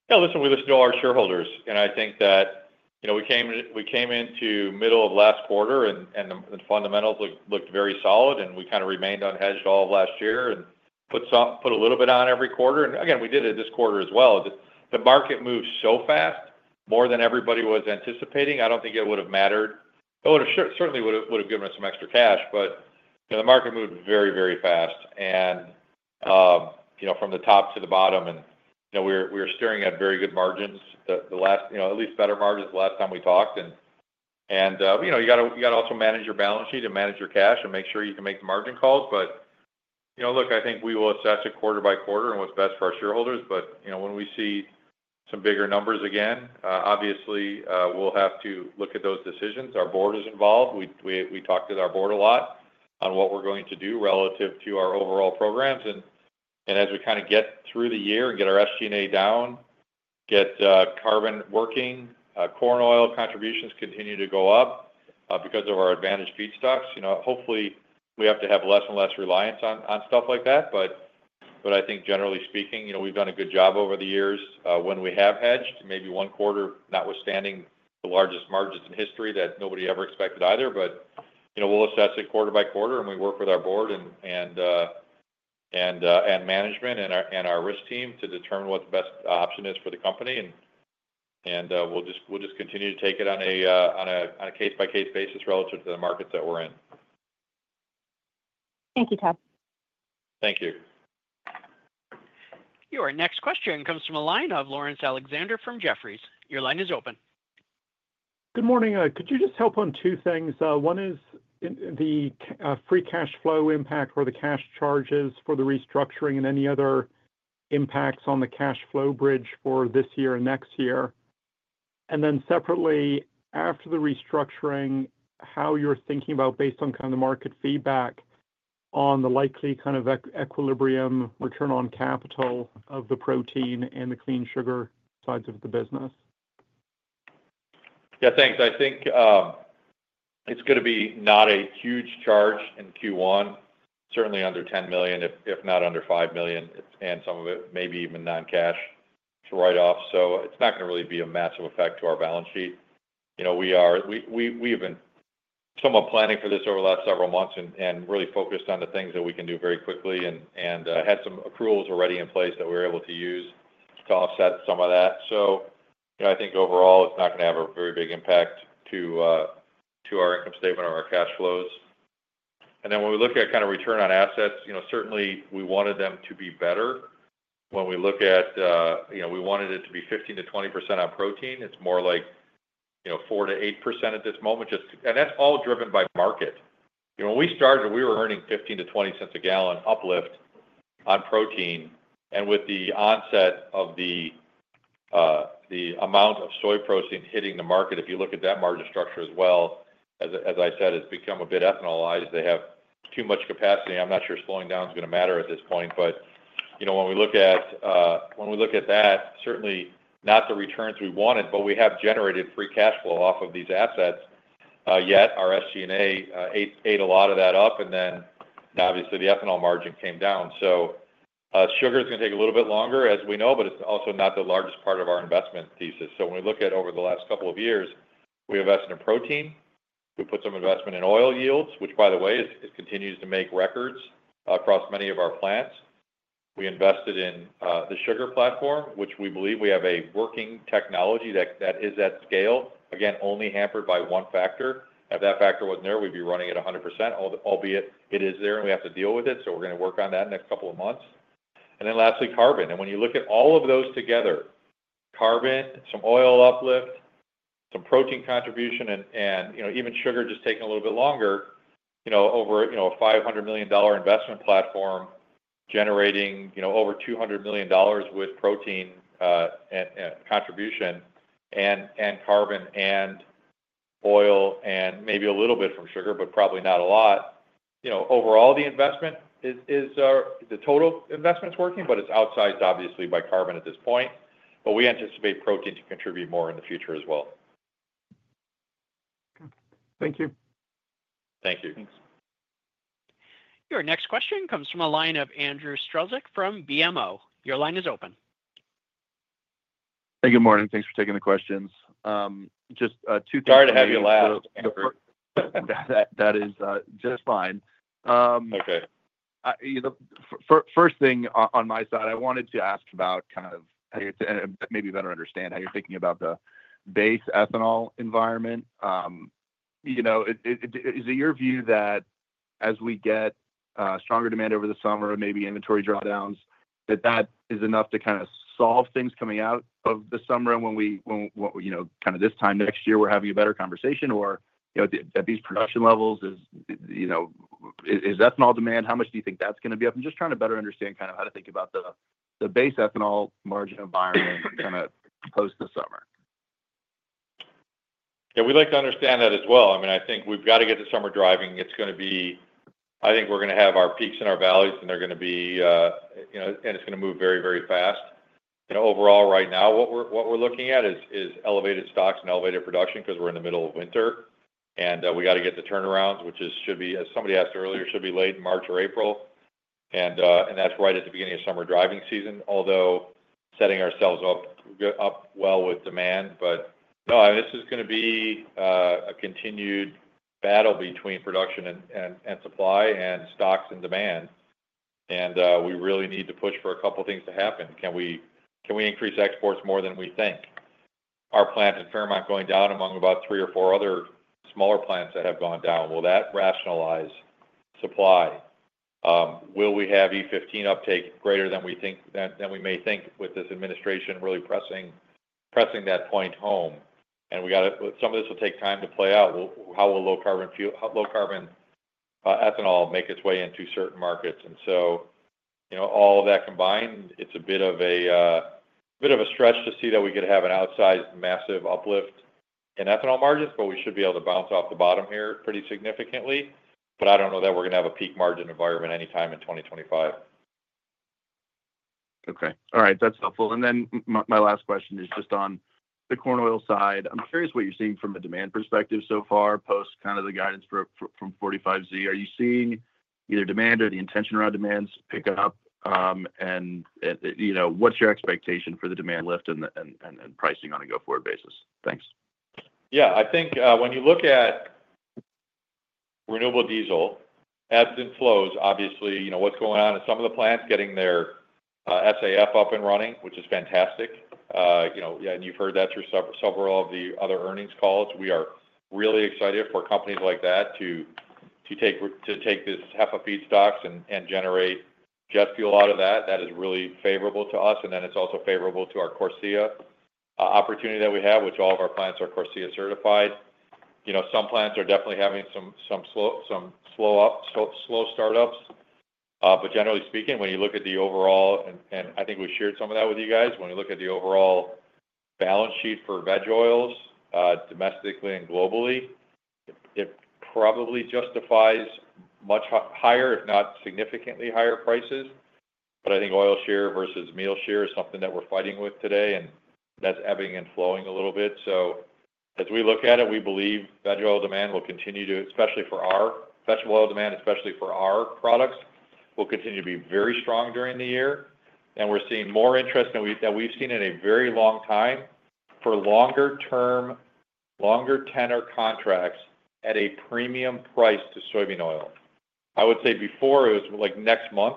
Yeah. Listen, we listen to our shareholders. And I think that we came into middle of last quarter, and the fundamentals looked very solid. And we kind of remained unhedged all of last year and put a little bit on every quarter. And again, we did it this quarter as well. The market moved so fast, more than everybody was anticipating. I don't think it would have mattered. It certainly would have given us some extra cash. But the market moved very, very fast. And from the top to the bottom, and we were staring at very good margins, at least better margins the last time we talked. And you got to also manage your balance sheet and manage your cash and make sure you can make the margin calls. But look, I think we will assess it quarter by quarter and what's best for our shareholders. But when we see some bigger numbers again, obviously, we'll have to look at those decisions. Our board is involved. We talked to our board a lot on what we're going to do relative to our overall programs, and as we kind of get through the year and get our SG&A down, get carbon working, corn oil contributions continue to go up because of our advantage feedstocks. Hopefully, we have to have less and less reliance on stuff like that, but I think, generally speaking, we've done a good job over the years when we have hedged, maybe one quarter, notwithstanding the largest margins in history that nobody ever expected either, but we'll assess it quarter by quarter, and we work with our board and management and our risk team to determine what the best option is for the company. We'll just continue to take it on a case-by-case basis relative to the markets that we're in. Thank you, Todd. Thank you. Your next question comes from a line of Laurence Alexander from Jefferies. Your line is open. Good morning. Could you just help on two things? One is the free cash flow impact for the cash charges for the restructuring and any other impacts on the cash flow bridge for this year and next year, and then separately, after the restructuring, how you're thinking about, based on kind of the market feedback, on the likely kind of equilibrium return on capital of the protein and the clean sugar sides of the business? Yeah, thanks. I think it's going to be not a huge charge in Q1, certainly under $10 million, if not under $5 million, and some of it maybe even non-cash to write off. So it's not going to really be a massive effect to our balance sheet. We have been somewhat planning for this over the last several months and really focused on the things that we can do very quickly. And I had some accruals already in place that we were able to use to offset some of that. So I think overall, it's not going to have a very big impact to our income statement or our cash flows. And then when we look at kind of return on assets, certainly, we wanted them to be better. When we look at we wanted it to be 15%-20% on protein. It's more like 4%-8% at this moment. That's all driven by market. When we started, we were earning $0.15-$0.20 per gallon uplift on protein. With the onset of the amount of soy protein hitting the market, if you look at that margin structure as well, as I said, it's become a bit ethanolized. They have too much capacity. I'm not sure slowing down is going to matter at this point. When we look at that, certainly not the returns we wanted, but we have generated free cash flow off of these assets. Yet, our SG&A ate a lot of that up. Then, obviously, the ethanol margin came down. Sugar is going to take a little bit longer, as we know, but it's also not the largest part of our investment thesis. So when we look at over the last couple of years, we invested in protein. We put some investment in oil yields, which, by the way, continues to make records across many of our plants. We invested in the sugar platform, which we believe we have a working technology that is at scale, again, only hampered by one factor. If that factor wasn't there, we'd be running at 100%, albeit it is there and we have to deal with it. So we're going to work on that in the next couple of months. And then lastly, carbon. And when you look at all of those together, carbon, some oil uplift, some protein contribution, and even sugar just taking a little bit longer over a $500 million investment platform generating over $200 million with protein contribution and carbon and oil and maybe a little bit from sugar, but probably not a lot. Overall, the total investment is working, but it's outsized, obviously, by carbon at this point. But we anticipate protein to contribute more in the future as well. Thank you. Thank you. Thanks. Your next question comes from a line of Andrew Strelzik from BMO. Your line is open. Hey, good morning. Thanks for taking the questions. Just two things. Sorry to have you last. That is just fine. First thing on my side, I wanted to ask about kind of how you're maybe better understand how you're thinking about the base ethanol environment. Is it your view that as we get stronger demand over the summer, maybe inventory drawdowns, that that is enough to kind of solve things coming out of the summer? And when we kind of this time next year, we're having a better conversation or at these production levels, is ethanol demand how much do you think that's going to be up? I'm just trying to better understand kind of how to think about the base ethanol margin environment kind of post the summer. Yeah. We'd like to understand that as well. I mean, I think we've got to get the summer driving. It's going to be. I think we're going to have our peaks and our valleys, and they're going to be, and it's going to move very, very fast. Overall, right now, what we're looking at is elevated stocks and elevated production because we're in the middle of winter. And we got to get the turnarounds, which should be, as somebody asked earlier, late March or April. And that's right at the beginning of summer driving season, although setting ourselves up well with demand. But no, this is going to be a continued battle between production and supply and stocks and demand. And we really need to push for a couple of things to happen. Can we increase exports more than we think? Our plant at Fairmont going down among about three or four other smaller plants that have gone down. Will that rationalize supply? Will we have E15 uptake greater than we may think with this administration really pressing that point home, and some of this will take time to play out? How will low-carbon ethanol make its way into certain markets, and so all of that combined, it's a bit of a bit of a stretch to see that we could have an outsized massive uplift in ethanol margins, but we should be able to bounce off the bottom here pretty significantly, but I don't know that we're going to have a peak margin environment anytime in 2025. Okay. All right. That's helpful. And then my last question is just on the corn oil side. I'm curious what you're seeing from a demand perspective so far post kind of the guidance from 45Z. Are you seeing either demand or the intention around demands pick up? And what's your expectation for the demand lift and pricing on a go-forward basis? Thanks. Yeah. I think when you look at renewable diesel, ebbs and flows, obviously, what's going on is some of the plants getting their SAF up and running, which is fantastic. And you've heard that through several of the other earnings calls. We are really excited for companies like that to take this half of feedstocks and generate jet fuel out of that. That is really favorable to us. And then it's also favorable to our CORSIA opportunity that we have, which all of our plants are CORSIA certified. Some plants are definitely having some slow startups. But generally speaking, when you look at the overall, and I think we shared some of that with you guys, when you look at the overall balance sheet for veg oils domestically and globally, it probably justifies much higher, if not significantly higher prices. But I think oil share versus meal share is something that we're fighting with today, and that's ebbing and flowing a little bit. So as we look at it, we believe veg oil demand will continue to, especially for our veg oil demand, especially for our products, will continue to be very strong during the year. And we're seeing more interest than we've seen in a very long time for longer-term, longer-tenor contracts at a premium price to soybean oil. I would say before it was like next month,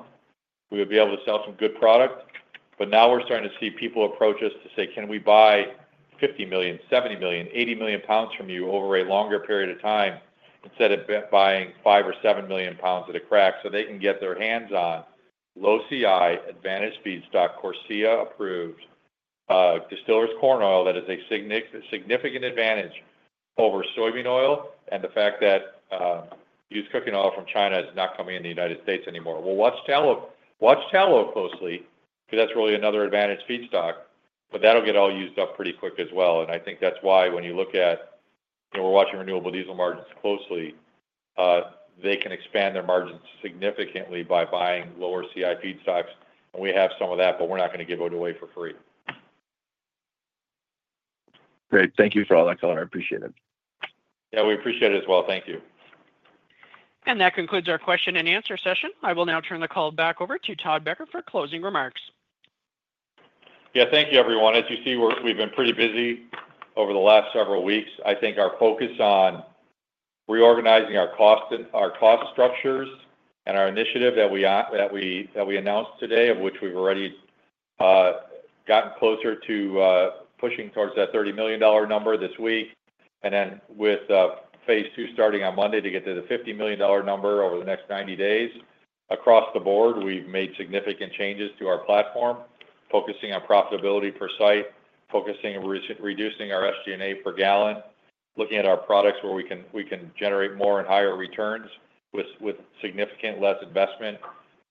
we would be able to sell some good product. But now we're starting to see people approach us to say, "Can we buy 50 million, 70 million, 80 million lbs from you over a longer period of time instead of buying 5 million or 7 million lbs at a crack?" So they can get their hands on low-CI, advantage feedstock, CORSIA-approved distillers' corn oil that is a significant advantage over soybean oil and the fact that used cooking oil from China is not coming in the United States anymore. Well, watch tallow closely because that's really another advantage feedstock. But that'll get all used up pretty quick as well. And I think that's why when you look at, we're watching renewable diesel margins closely. They can expand their margins significantly by buying lower-CI feedstocks. And we have some of that, but we're not going to give it away for free. Great. Thank you for all that, Todd. I appreciate it. Yeah. We appreciate it as well. Thank you. That concludes our question and answer session. I will now turn the call back over to Todd Becker for closing remarks. Yeah. Thank you, everyone. As you see, we've been pretty busy over the last several weeks. I think our focus on reorganizing our cost structures and our initiative that we announced today, of which we've already gotten closer to pushing towards that $30 million number this week. And then with Phase 2 starting on Monday to get to the $50 million number over the next 90 days, across the board, we've made significant changes to our platform, focusing on profitability per site, focusing on reducing our SG&A per gallon, looking at our products where we can generate more and higher returns with significant less investment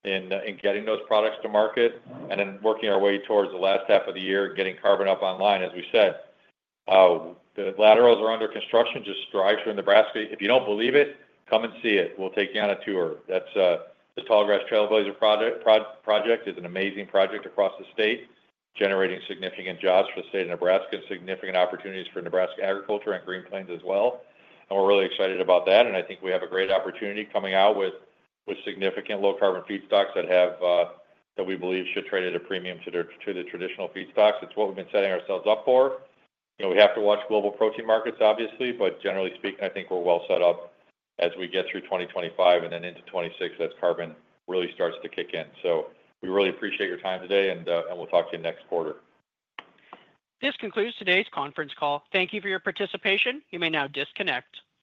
in getting those products to market, and then working our way towards the last half of the year and getting carbon up online. As we said, the laterals are under construction. Just drive through Nebraska. If you don't believe it, come and see it. We'll take you on a tour. The Tallgrass Trailblazer project is an amazing project across the state, generating significant jobs for the state of Nebraska and significant opportunities for Nebraska agriculture and Green Plains as well, and we're really excited about that. And I think we have a great opportunity coming out with significant low-carbon feedstocks that we believe should trade at a premium to the traditional feedstocks. It's what we've been setting ourselves up for. We have to watch global protein markets, obviously, but generally speaking, I think we're well set up as we get through 2025 and then into 2026 as carbon really starts to kick in, so we really appreciate your time today, and we'll talk to you next quarter. This concludes today's conference call. Thank you for your participation. You may now disconnect.